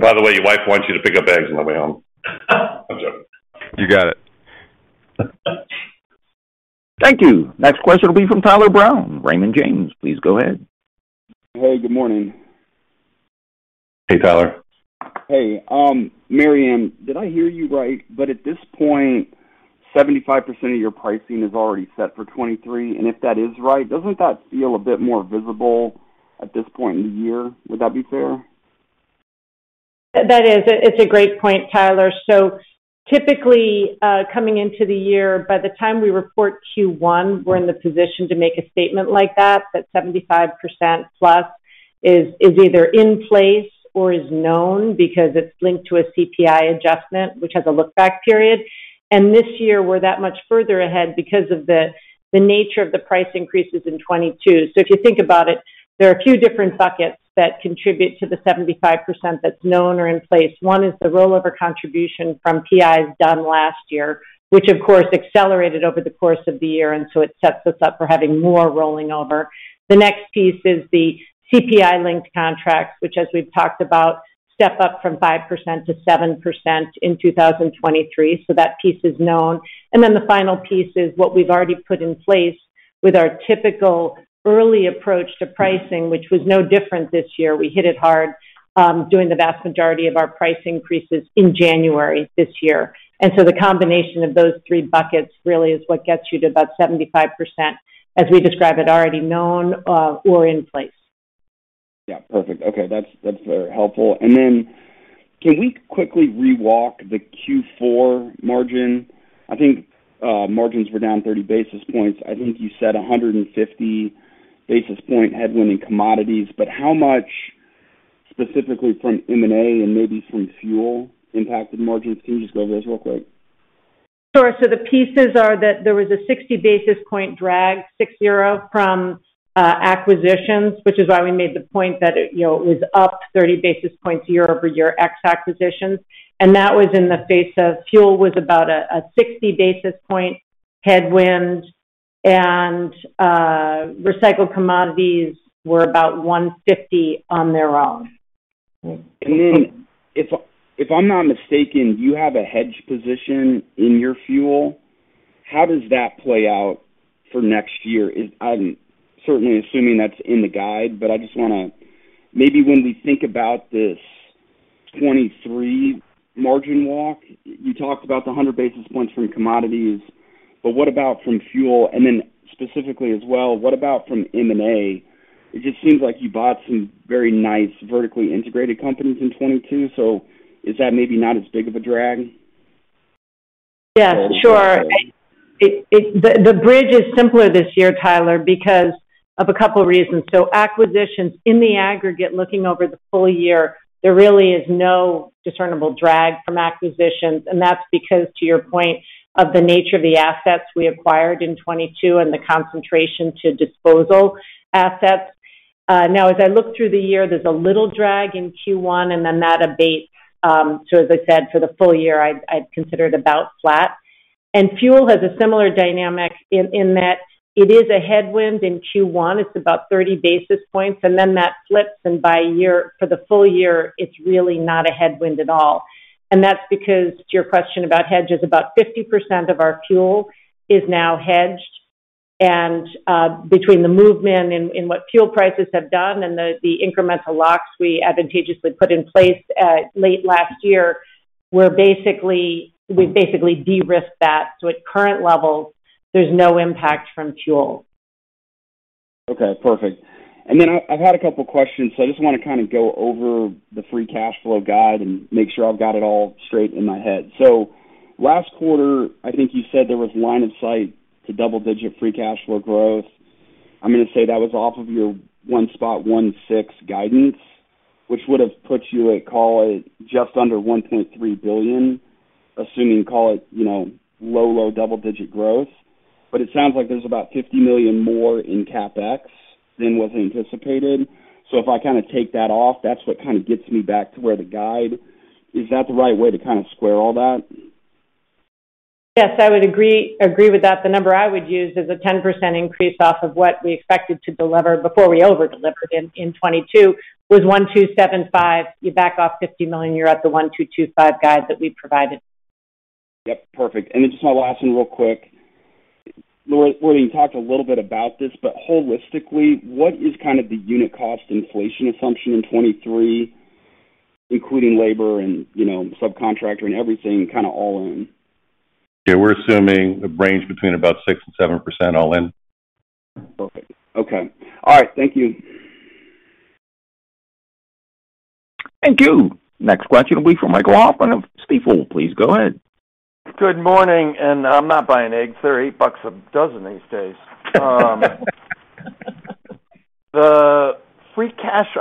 By the way, your wife wants you to pick up eggs on the way home. I'm joking.
You got it.
Thank you. Next question will be from Tyler Brown, Raymond James. Please go ahead.
Hey, good morning.
Hey, Tyler.
Hey. Mary Anne, did I hear you right? At this point, 75% of your pricing is already set for 2023, and if that is right, doesn't that feel a bit more visible at this point in the year? Would that be fair?
That is. It's a great point, Tyler. Typically, coming into the year, by the time we report Q1, we're in the position to make a statement like that 75% plus is either in place or is known because it's linked to a CPI adjustment, which has a look-back period. This year, we're that much further ahead because of the nature of the price increases in 2022. If you think about it, there are a few different buckets that contribute to the 75% that's known or in place. One is the rollover contribution from PIs done last year, which of course accelerated over the course of the year, it sets us up for having more rolling over. The next piece is the CPI-linked contracts, which, as we've talked about, step up from 5%-7% in 2023, so that piece is known. The final piece is what we've already put in place with our typical early approach to pricing, which was no different this year. We hit it hard, doing the vast majority of our price increases in January this year. The combination of those three buckets really is what gets you to about 75%, as we describe it, already known, or in place.
Yeah. Perfect. Okay. That's very helpful. Can we quickly Re-walk the Q4 margin? I think margins were down 30 basis points. I think you said a 150 basis point headwind in commodities, how much specifically from M&A and maybe from fuel impacted margins? Can you just go over those real quick?
Sure. The pieces are that there was a 60 basis point drag, 60, from acquisitions, which is why we made the point that, you know, it was up 30 basis points year-over-year ex acquisitions. That was in the face of fuel was about a 60 basis point headwind and recycled commodities were about 150 on their own.
If, if I'm not mistaken, you have a hedge position in your fuel. How does that play out for next year? I'm certainly assuming that's in the guide, but I just wanna. Maybe when we think about this 23 margin walk, you talked about the 100 basis points from commodities, but what about from fuel? Specifically as well, what about from M&A? It just seems like you bought some very nice vertically integrated companies in 22, so is that maybe not as big of a drag?
Yeah, sure. The bridge is simpler this year, Tyler, because of a couple reasons. Acquisitions, in the aggregate, looking over the full year, there really is no discernible drag from acquisitions, and that's because, to your point, of the nature of the assets we acquired in 2022 and the concentration to disposal assets. Now, as I look through the year, there's a little drag in Q1 and then that abates. As I said, for the full year, I'd consider it about flat. Fuel has a similar dynamic in that it is a headwind in Q1. It's about 30 basis points, and then that flips, and for the full year, it's really not a headwind at all. That's because to your question about hedges. About 50% of our fuel is now hedged. Between the movement in what fuel prices have done and the incremental locks we advantageously put in place, late last year, we've basically de-risked that. At current levels, there's no impact from fuel.
Okay. Perfect. Then I've had a couple questions, so I just wanna kinda go over the free cash flow guide and make sure I've got it all straight in my head. Last quarter, I think you said there was line of sight to double-digit free cash flow growth. I'm gonna say that was off of your $1.16 guidance, which would've put you at, call it, just under $1.3 billion, assuming, call it, you know, low double-digit growth. It sounds like there's about $50 million more in CapEx than was anticipated. If I kinda take that off, that's what kinda gets me back to where the guide. Is that the right way to kinda square all that?
Yes, I would agree with that. The number I would use is a 10% increase off of what we expected to deliver before we over-delivered in 2022, was $1,275. You back off $50 million, you're at the $1,225 guide that we provided.
Yep. Perfect. Then just my last one real quick. William, you talked a little bit about this, but holistically, what is kind of the unit cost inflation assumption in 2023, including labor and, you know, subcontractor and everything, kinda all in?
Yeah. We're assuming a range between about 6% and 7% all in.
Okay. Okay. All right. Thank you.
Thank you. Next question will be from Michael Hoffman of Stifel. Please go ahead.
Good morning. I'm not buying eggs. They're $8 a dozen these days. I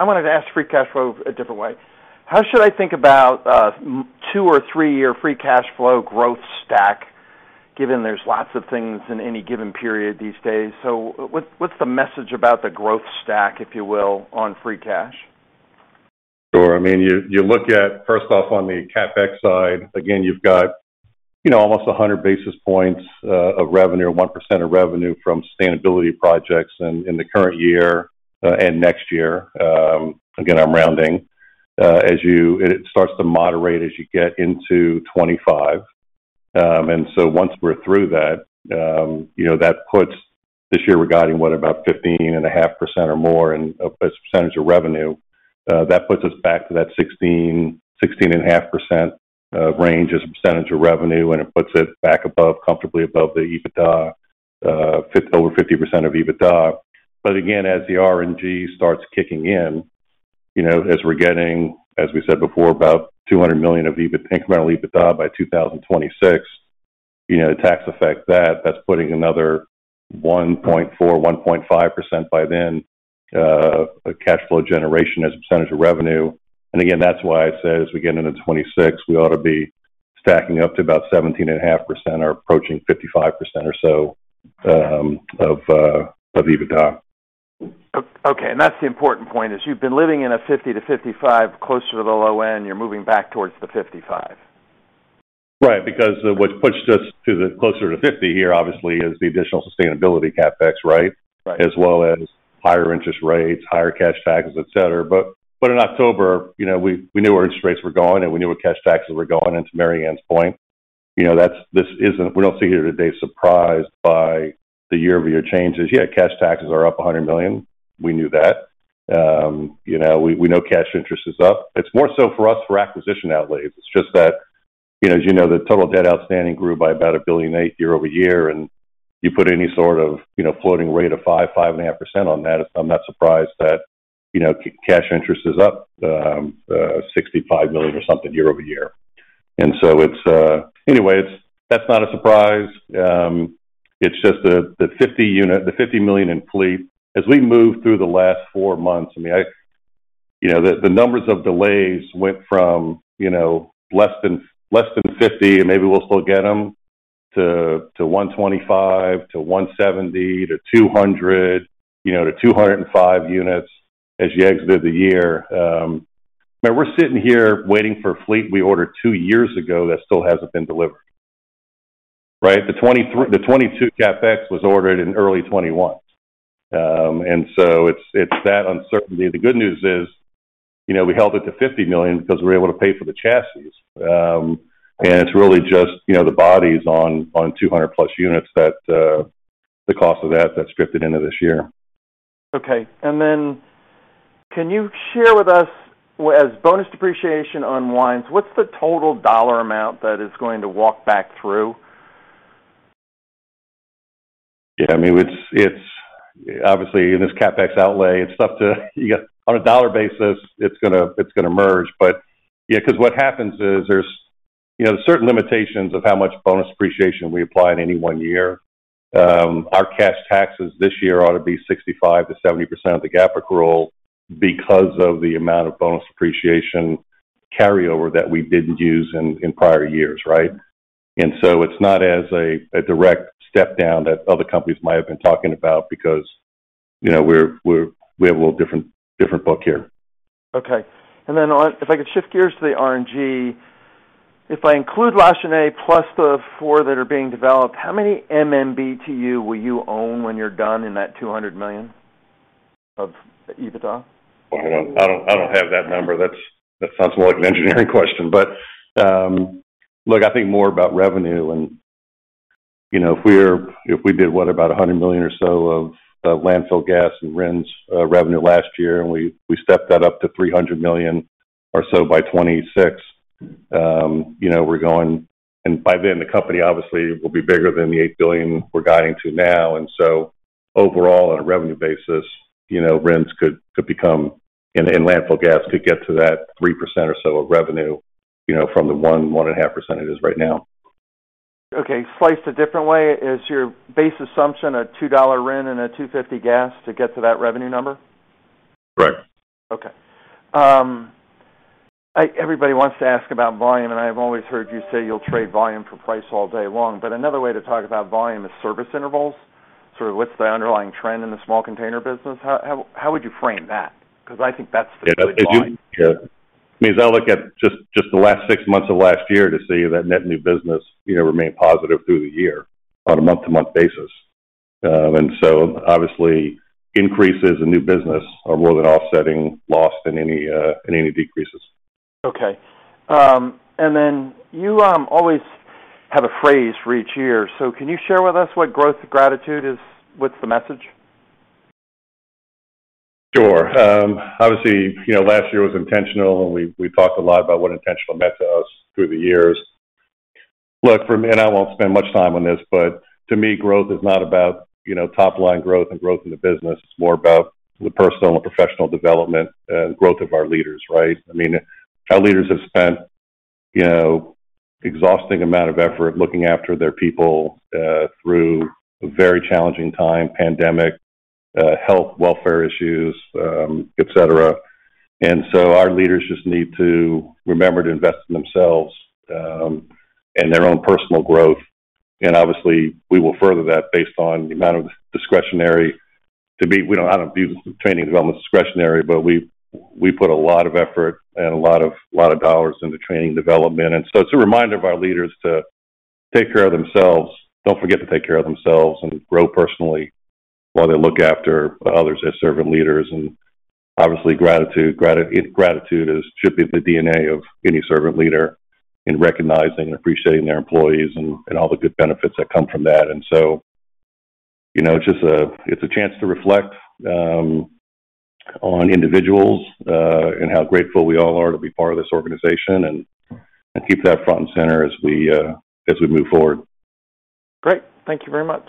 wanted to ask free cash flow a different way. How should I think about two or three-year free cash flow growth stack? Given there's lots of things in any given period these days. What's the message about the growth stack, if you will, on free cash?
Sure. I mean, you look at, first off, on the CapEx side, again, you've got, you know, almost 100 basis points of revenue or 1% of revenue from sustainability projects in the current year and next year. Again, I'm rounding. It starts to moderate as you get into 2025. Once we're through that, you know, that puts this year regarding what about 15.5% or more in, of percentage of revenue. That puts us back to that 16%-16.5% range as a percentage of revenue, and it puts it back above, comfortably above the EBITDA, over 50% of EBITDA. Again, as the RNG starts kicking in, you know, as we're getting, as we said before, about $200 million of incremental EBITDA by 2026, you know, the tax effect that's putting another 1.4%-1.5% by then, cash flow generation as a percentage of revenue. Again, that's why I said as we get into 2026, we ought to be stacking up to about 17.5% or approaching 55% or so, of EBITDA.
Okay, that's the important point is you've been living in a 50-55, closer to the low end, you're moving back towards the 55.
Right. What pushed us to the closer to 50 here obviously is the additional sustainability CapEx, right?
Right.
As well as higher interest rates, higher cash taxes, et cetera. In October, you know, we knew where interest rates were going, and we knew where cash taxes were going, and to Mary Anne's point, you know, we don't sit here today surprised by the year-over-year changes. Yeah, cash taxes are up $100 million. We knew that. You know, we know cash interest is up. It's more so for us for acquisition outlays. It's just that, you know, as you know, the total debt outstanding grew by about $1.8 billion year-over-year, and you put any sort of, you know, floating rate of 5%, 5.5% on that, I'm not surprised that, you know, cash interest is up $65 million or something year-over-year. It's. That's not a surprise. It's just the $50 million in fleet. As we moved through the last four months, you know, the numbers of delays went from, you know, less than 50, and maybe we'll still get them, to 125, to 170, to 200, you know, to 205 units as you exit the year. Man, we're sitting here waiting for a fleet we ordered two years ago that still hasn't been delivered, right? The 2022 CapEx was ordered in early 2021. It's that uncertainty. The good news is, you know, we held it to $50 million because we were able to pay for the chassis. It's really just the bodies on 200+ units that the cost of that that's stripped it into this year.
Okay. Can you share with us, as bonus depreciation unwinds, what's the total dollar amount that is going to walk back through?
Yeah. I mean, it's obviously in this CapEx outlay, it's tough to. On a dollar basis, it's gonna merge. Yeah, 'cause what happens is there's, you know, certain limitations of how much bonus depreciation we apply in any one year. Our cash taxes this year ought to be 65%-70% of the GAAP accrual because of the amount of bonus depreciation carryover that we didn't use in prior years, right? It's not as a direct step down that other companies might have been talking about because, you know, we have a little different book here.
Okay. If I could shift gears to the RNG. If I include La Jana plus the four that are being developed, how many MMBtu will you own when you're done in that $200 million of EBITDA?
Hold on. I don't, I don't have that number. That's, that sounds more like an engineering question. Look, I think more about revenue and, you know, if we did what? About $100 million or so of landfill gas and RINs revenue last year, and we stepped that up to $300 million or so by 2026, you know, by then, the company obviously will be bigger than the $8 billion we're guiding to now. Overall, on a revenue basis, you know, RINs could become, and landfill gas could get to that 3% or so of revenue, you know, from the 1.5% it is right now.
Okay. Sliced a different way, is your base assumption a $2 RIN and a $2.50 gas to get to that revenue number?
Correct.
Okay. I have always heard you say you'll trade volume for price all day long. Another way to talk about volume is service intervals, sort of what's the underlying trend in the small container business. How would you frame that? I think that's the good line.
Yeah. I mean, as I look at just the last six months of last year to see that net new business, you know, remained positive through the year on a month-to-month basis. Obviously, increases in new business are more than offsetting loss in any in any decreases.
Okay. You always have a phrase for each year. Can you share with us what growth gratitude is? What's the message?
Sure. Obviously, you know, last year was intentional, and we talked a lot about what intentional meant to us through the years. Look, for me, and I won't spend much time on this, but to me, growth is not about, you know, top-line growth and growth in the business. It's more about the personal and professional development and growth of our leaders, right? I mean, our leaders have spent, you know, exhausting amount of effort looking after their people through a very challenging time, pandemic, health welfare issues, et cetera. Our leaders just need to remember to invest in themselves and their own personal growth. Obviously, we will further that based on the amount of discretionary We don't how to view the training development discretionary, but we put a lot of effort and a lot of dollars into training development. So it's a reminder of our leaders to take care of themselves. Don't forget to take care of themselves and grow personally while they look after others as servant leaders. Obviously, gratitude should be the DNA of any servant leader in recognizing and appreciating their employees and all the good benefits that come from that. So, you know, it's just a chance to reflect on individuals and how grateful we all are to be part of this organization and keep that front and center as we as we move forward.
Great. Thank you very much.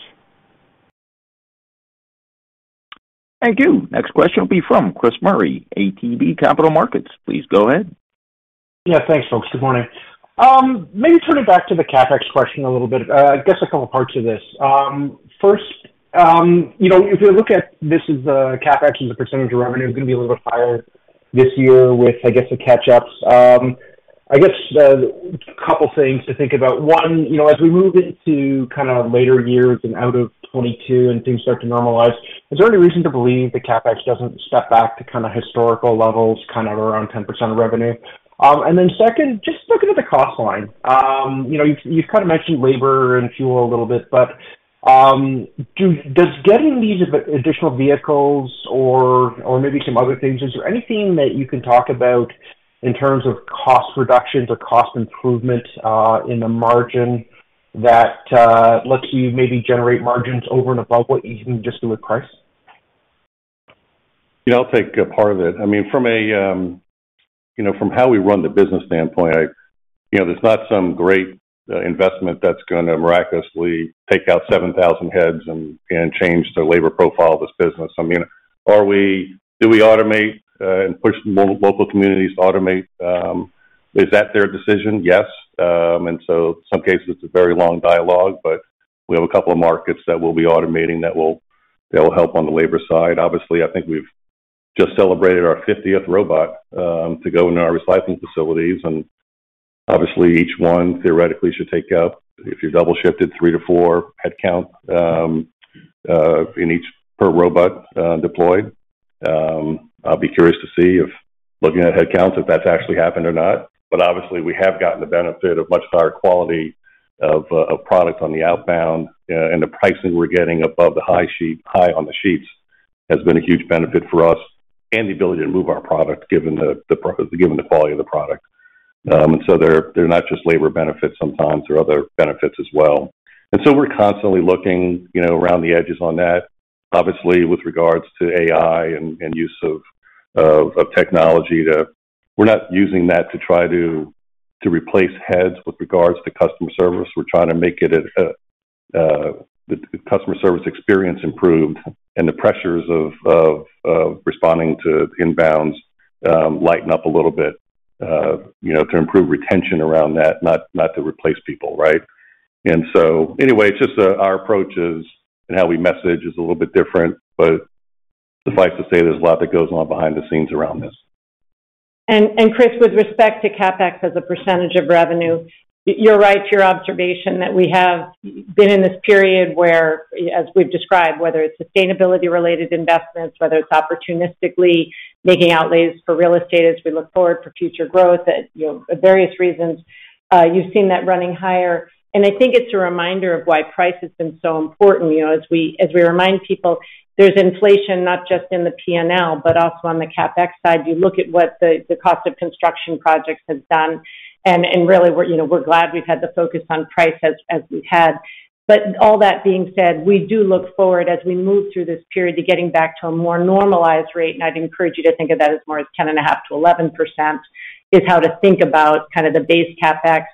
Thank you. Next question will be from Chris Murray, ATB Capital Markets. Please go ahead.
Thanks, folks. Good morning. Maybe turn it back to the CapEx question a little bit. I guess a couple of parts to this. First, you know, if you look at this as a CapEx as a percentage of revenue is gonna be a little bit higher this year with, I guess, the catch-ups. I guess a couple of things to think about. One, you know, as we move into kind of later years and out of 2022 and things start to normalize, is there any reason to believe the CapEx doesn't step back to kind of historical levels, kind of around 10% of revenue? Second, just looking at the cost line, you know, you've kind of mentioned labor and fuel a little bit, but does getting these additional vehicles or maybe some other things, is there anything that you can talk about in terms of cost reductions or cost improvement in the margin that lets you maybe generate margins over and above what you can just do with price?
Yeah, I'll take a part of it. I mean, from a, you know, from how we run the business standpoint, I, you know, there's not some great investment that's gonna miraculously take out 7,000 heads and change the labor profile of this business. I mean, do we automate and push local communities to automate, is that their decision? Yes. In some cases, it's a very long dialogue, but we have a couple of markets that we'll be automating that will help on the labor side. Obviously, I think we've just celebrated our 50th robot to go in our recycling facilities, and obviously, each one theoretically should take out, if you're double shifted, 3 to 4 headcount in each per robot deployed. I'll be curious to see if looking at headcounts if that's actually happened or not. Obviously, we have gotten the benefit of much higher quality of product on the outbound, and the pricing we're getting above the high sheet, high on the sheets has been a huge benefit for us and the ability to move our product given the quality of the product. They're, they're not just labor benefits sometimes. They're other benefits as well. We're constantly looking, you know, around the edges on that, obviously, with regards to AI and use of technology. We're not using that to try to replace heads with regards to customer service. We're trying to make it a the customer service experience improved and the pressures of responding to inbounds, lighten up a little bit, you know, to improve retention around that, not to replace people, right. Anyway, just our approach is and how we message is a little bit different. Suffice to say there's a lot that goes on behind the scenes around this.
Chris, with respect to CapEx as a % of revenue, you're right to your observation that we have been in this period where, as we've described, whether it's sustainability related investments, whether it's opportunistically making outlays for real estate as we look forward for future growth at, you know, various reasons, you've seen that running higher. I think it's a reminder of why price has been so important. You know, as we, as we remind people there's inflation not just in the P&L, but also on the CapEx side. You look at what the cost of construction projects has done, and really we're, you know, we're glad we've had the focus on price as we've had. All that being said, we do look forward as we move through this period to getting back to a more normalized rate. I'd encourage you to think of that as more as 10.5%-11% is how to think about kind of the base CapEx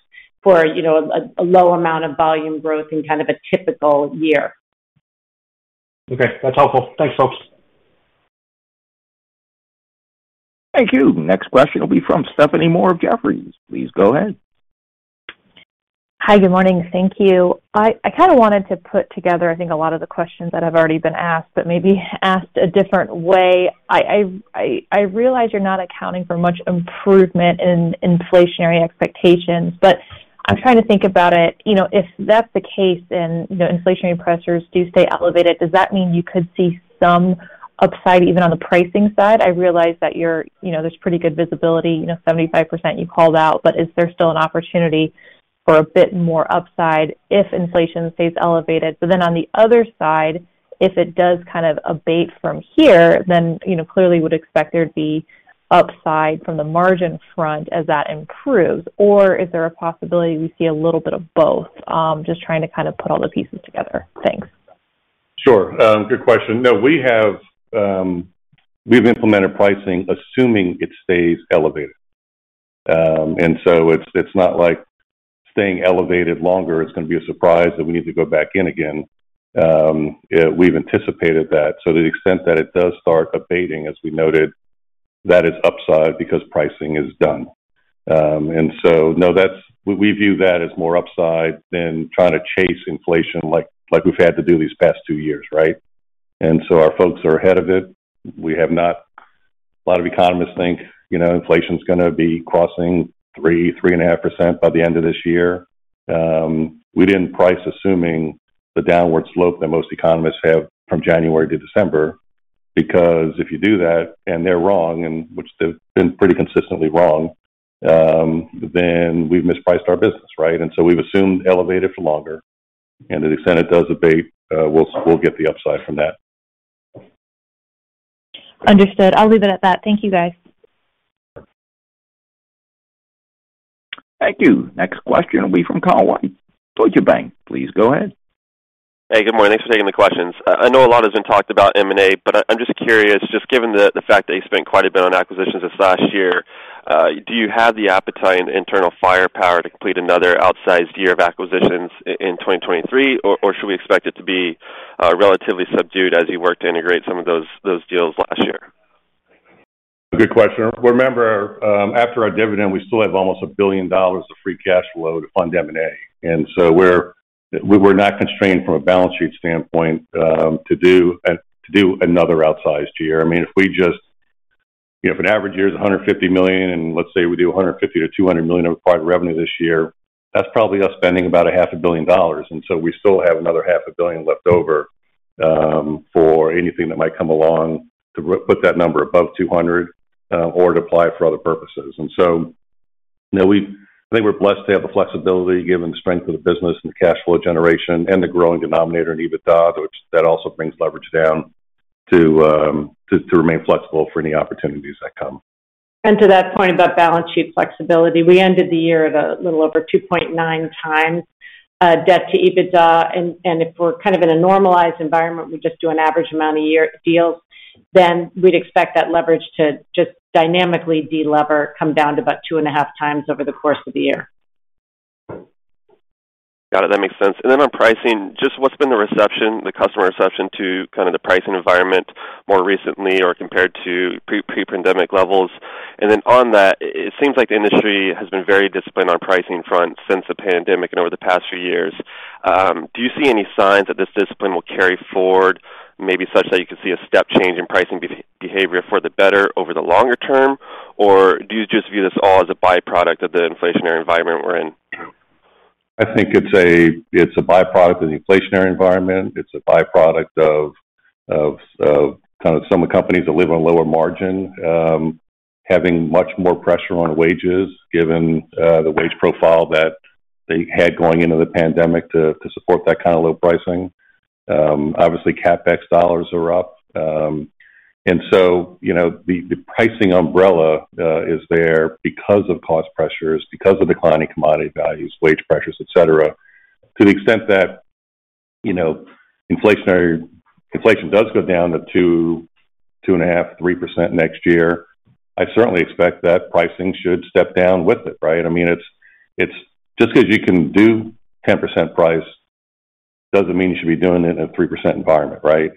for, you know, a low amount of volume growth in kind of a typical year.
Okay. That's helpful. Thanks, folks.
Thank you. Next question will be from Stephanie Moore of Jefferies. Please go ahead.
Hi. Good morning. Thank you. I kinda wanted to put together, I think, a lot of the questions that have already been asked, but maybe asked a different way. I realize you're not accounting for much improvement in inflationary expectations, but I'm trying to think about it. You know, if that's the case and, you know, inflationary pressures do stay elevated, does that mean you could see some upside even on the pricing side? I realize that, you know, there's pretty good visibility, you know, 75% you called out, is there still an opportunity for a bit more upside if inflation stays elevated? On the other side, if it does kinda abate from here, then, you know, clearly would expect there'd be upside from the margin front as that improves. Is there a possibility we see a little bit of both? Just trying to kind of put all the pieces together. Thanks.
Sure. Good question. No, we have, we've implemented pricing assuming it stays elevated. It's not like staying elevated longer is gonna be a surprise that we need to go back in again. Yeah, we've anticipated that. To the extent that it does start abating, as we noted. That is upside because pricing is done. No, that's we view that as more upside than trying to chase inflation like we've had to do these past two years, right? Our folks are ahead of it. We have not. A lot of economists think, you know, inflation is gonna be crossing 3.5% by the end of this year. We didn't price assuming the downward slope that most economists have from January to December. If you do that and they're wrong, and which they've been pretty consistently wrong, then we've mispriced our business, right? We've assumed elevated for longer, and to the extent it does abate, we'll get the upside from that.
Understood. I'll leave it at that. Thank you, guys.
Thank you. Next question will be from Kyle White, Deutsche Bank. Please go ahead.
Hey, good morning. Thanks for taking the questions. I know a lot has been talked about M&A, but I'm just curious, just given the fact that you spent quite a bit on acquisitions this last year, do you have the appetite and internal firepower to complete another outsized year of acquisitions in 2023, or should we expect it to be relatively subdued as you work to integrate some of those deals last year?
Good question. Remember, after our dividend, we still have almost $1 billion of free cash flow to fund M&A. We were not constrained from a balance sheet standpoint to do another outsized year. I mean, if an average year is $150 million, and let's say we do $150 million-$200 million of acquired revenue this year, that's probably us spending about a half a billion dollars. We still have another half a billion left over for anything that might come along to put that number above 200 or to apply for other purposes. You know, I think we're blessed to have the flexibility, given the strength of the business and the cash flow generation and the growing denominator in EBITDA, which that also brings leverage down, to remain flexible for any opportunities that come.
To that point about balance sheet flexibility, we ended the year at a little over 2.9x debt to EBITDA. If we're kind of in a normalized environment, we just do an average amount of year deals, then we'd expect that leverage to just dynamically de-lever come down to about 2.5x over the course of the year.
Got it. That makes sense. On pricing, just what's been the reception, the customer reception to kind of the pricing environment more recently or compared to pre-pandemic levels? On that, it seems like the industry has been very disciplined on pricing front since the pandemic and over the past few years. Do you see any signs that this discipline will carry forward, maybe such that you could see a step change in pricing behavior for the better over the longer term? Do you just view this all as a byproduct of the inflationary environment we're in?
I think it's a byproduct of the inflationary environment. It's a byproduct of kind of some of the companies that live on lower margin, having much more pressure on wages given the wage profile that they had going into the pandemic to support that kind of low pricing. Obviously, CapEx dollars are up. You know, the pricing umbrella is there because of cost pressures, because of declining commodity values, wage pressures, et cetera. To the extent that, you know, inflation does go down to 2.5%, 3% next year, I certainly expect that pricing should step down with it, right? I mean, it's just 'cause you can do 10% price doesn't mean you should be doing it in a 3% environment, right?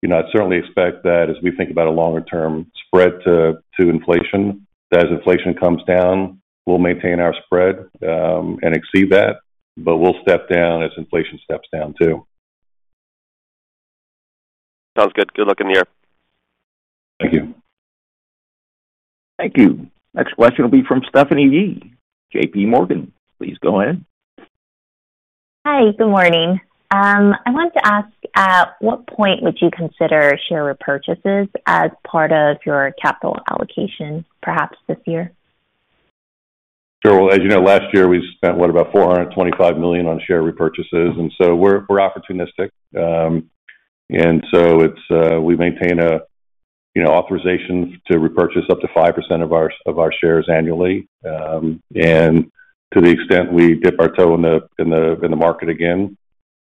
you know, I'd certainly expect that as we think about a longer term spread to inflation, that as inflation comes down, we'll maintain our spread, and exceed that, but we'll step down as inflation steps down too.
Sounds good. Good luck in the year.
Thank you.
Thank you. Next question will be from Stephanie Yee, JPMorgan. Please go ahead.
Hi. Good morning. I wanted to ask, at what point would you consider share repurchases as part of your capital allocation, perhaps this year?
Sure. Well, as you know, last year, we spent, what, about $425 million on share repurchases, we're opportunistic. It's, we maintain a, you know, authorization to repurchase up to 5% of our shares annually. To the extent we dip our toe in the market again,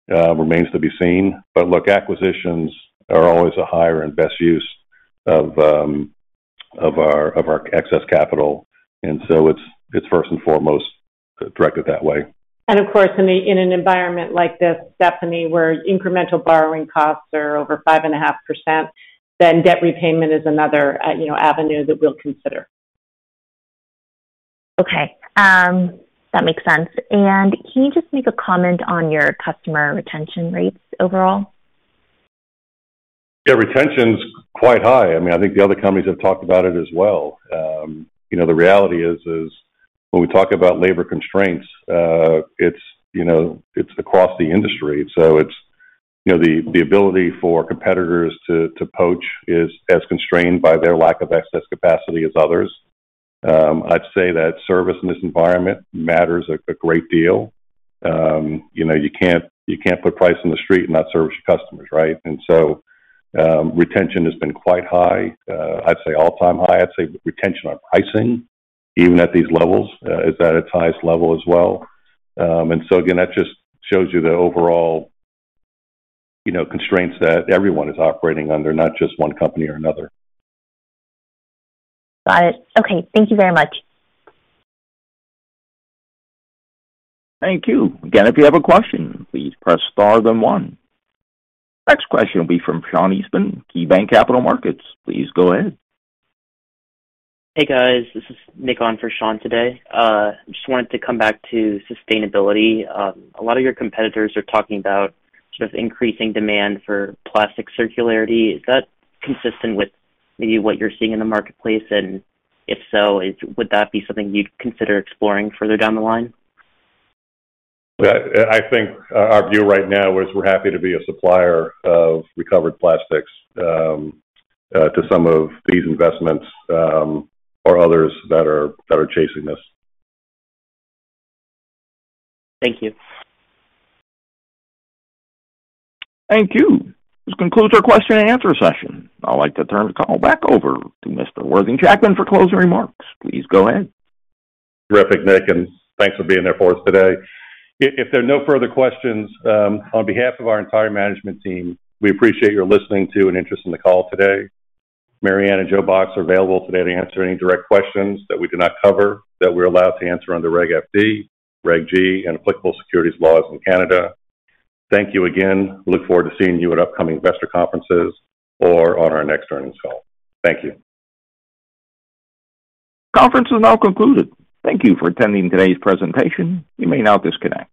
remains to be seen. Look, acquisitions are always a higher and best use of our excess capital, it's first and foremost directed that way.
Of course, in an environment like this, Stephanie, where incremental borrowing costs are over 5.5%, debt repayment is another, you know, avenue that we'll consider.
That makes sense. Can you just make a comment on your customer retention rates overall?
Yeah, retention's quite high. I mean, I think the other companies have talked about it as well. You know, the reality is when we talk about labor constraints, it's, you know, it's across the industry. It's, you know, the ability for competitors to poach is as constrained by their lack of excess capacity as others. I'd say that service in this environment matters a great deal. You know, you can't put price in the street and not service your customers, right? Retention has been quite high. I'd say all-time high. I'd say retention on pricing, even at these levels, is at its highest level as well. Again, that just shows you the overall, you know, constraints that everyone is operating under, not just one company or another.
Got it. Okay. Thank you very much.
Thank you. Again, if you have a question, please press star then one. Next question will be from Sean Eastman, KeyBanc Capital Markets. Please go ahead.
Hey, guys. This is Nick on for Sean today. Just wanted to come back to sustainability. A lot of your competitors are talking about sort of increasing demand for plastic circularity. Is that consistent with maybe what you're seeing in the marketplace? If so, would that be something you'd consider exploring further down the line?
Yeah. I think our view right now is we're happy to be a supplier of recovered plastics, to some of these investments, or others that are chasing this.
Thank you.
Thank you. This concludes our question and answer session. I'd like to turn the call back over to Mr. Worthing Jackman for closing remarks. Please go ahead.
Terrific, Nick, and thanks for being there for us today. If there are no further questions, on behalf of our entire management team, we appreciate your listening to and interest in the call today. Mary Anne and Joe Box are available today to answer any direct questions that we do not cover that we're allowed to answer under Reg FD, Reg G, and applicable securities laws in Canada. Thank you again. Look forward to seeing you at upcoming investor conferences or on our next earnings call. Thank you.
Conference is now concluded. Thank you for attending today's presentation. You may now disconnect.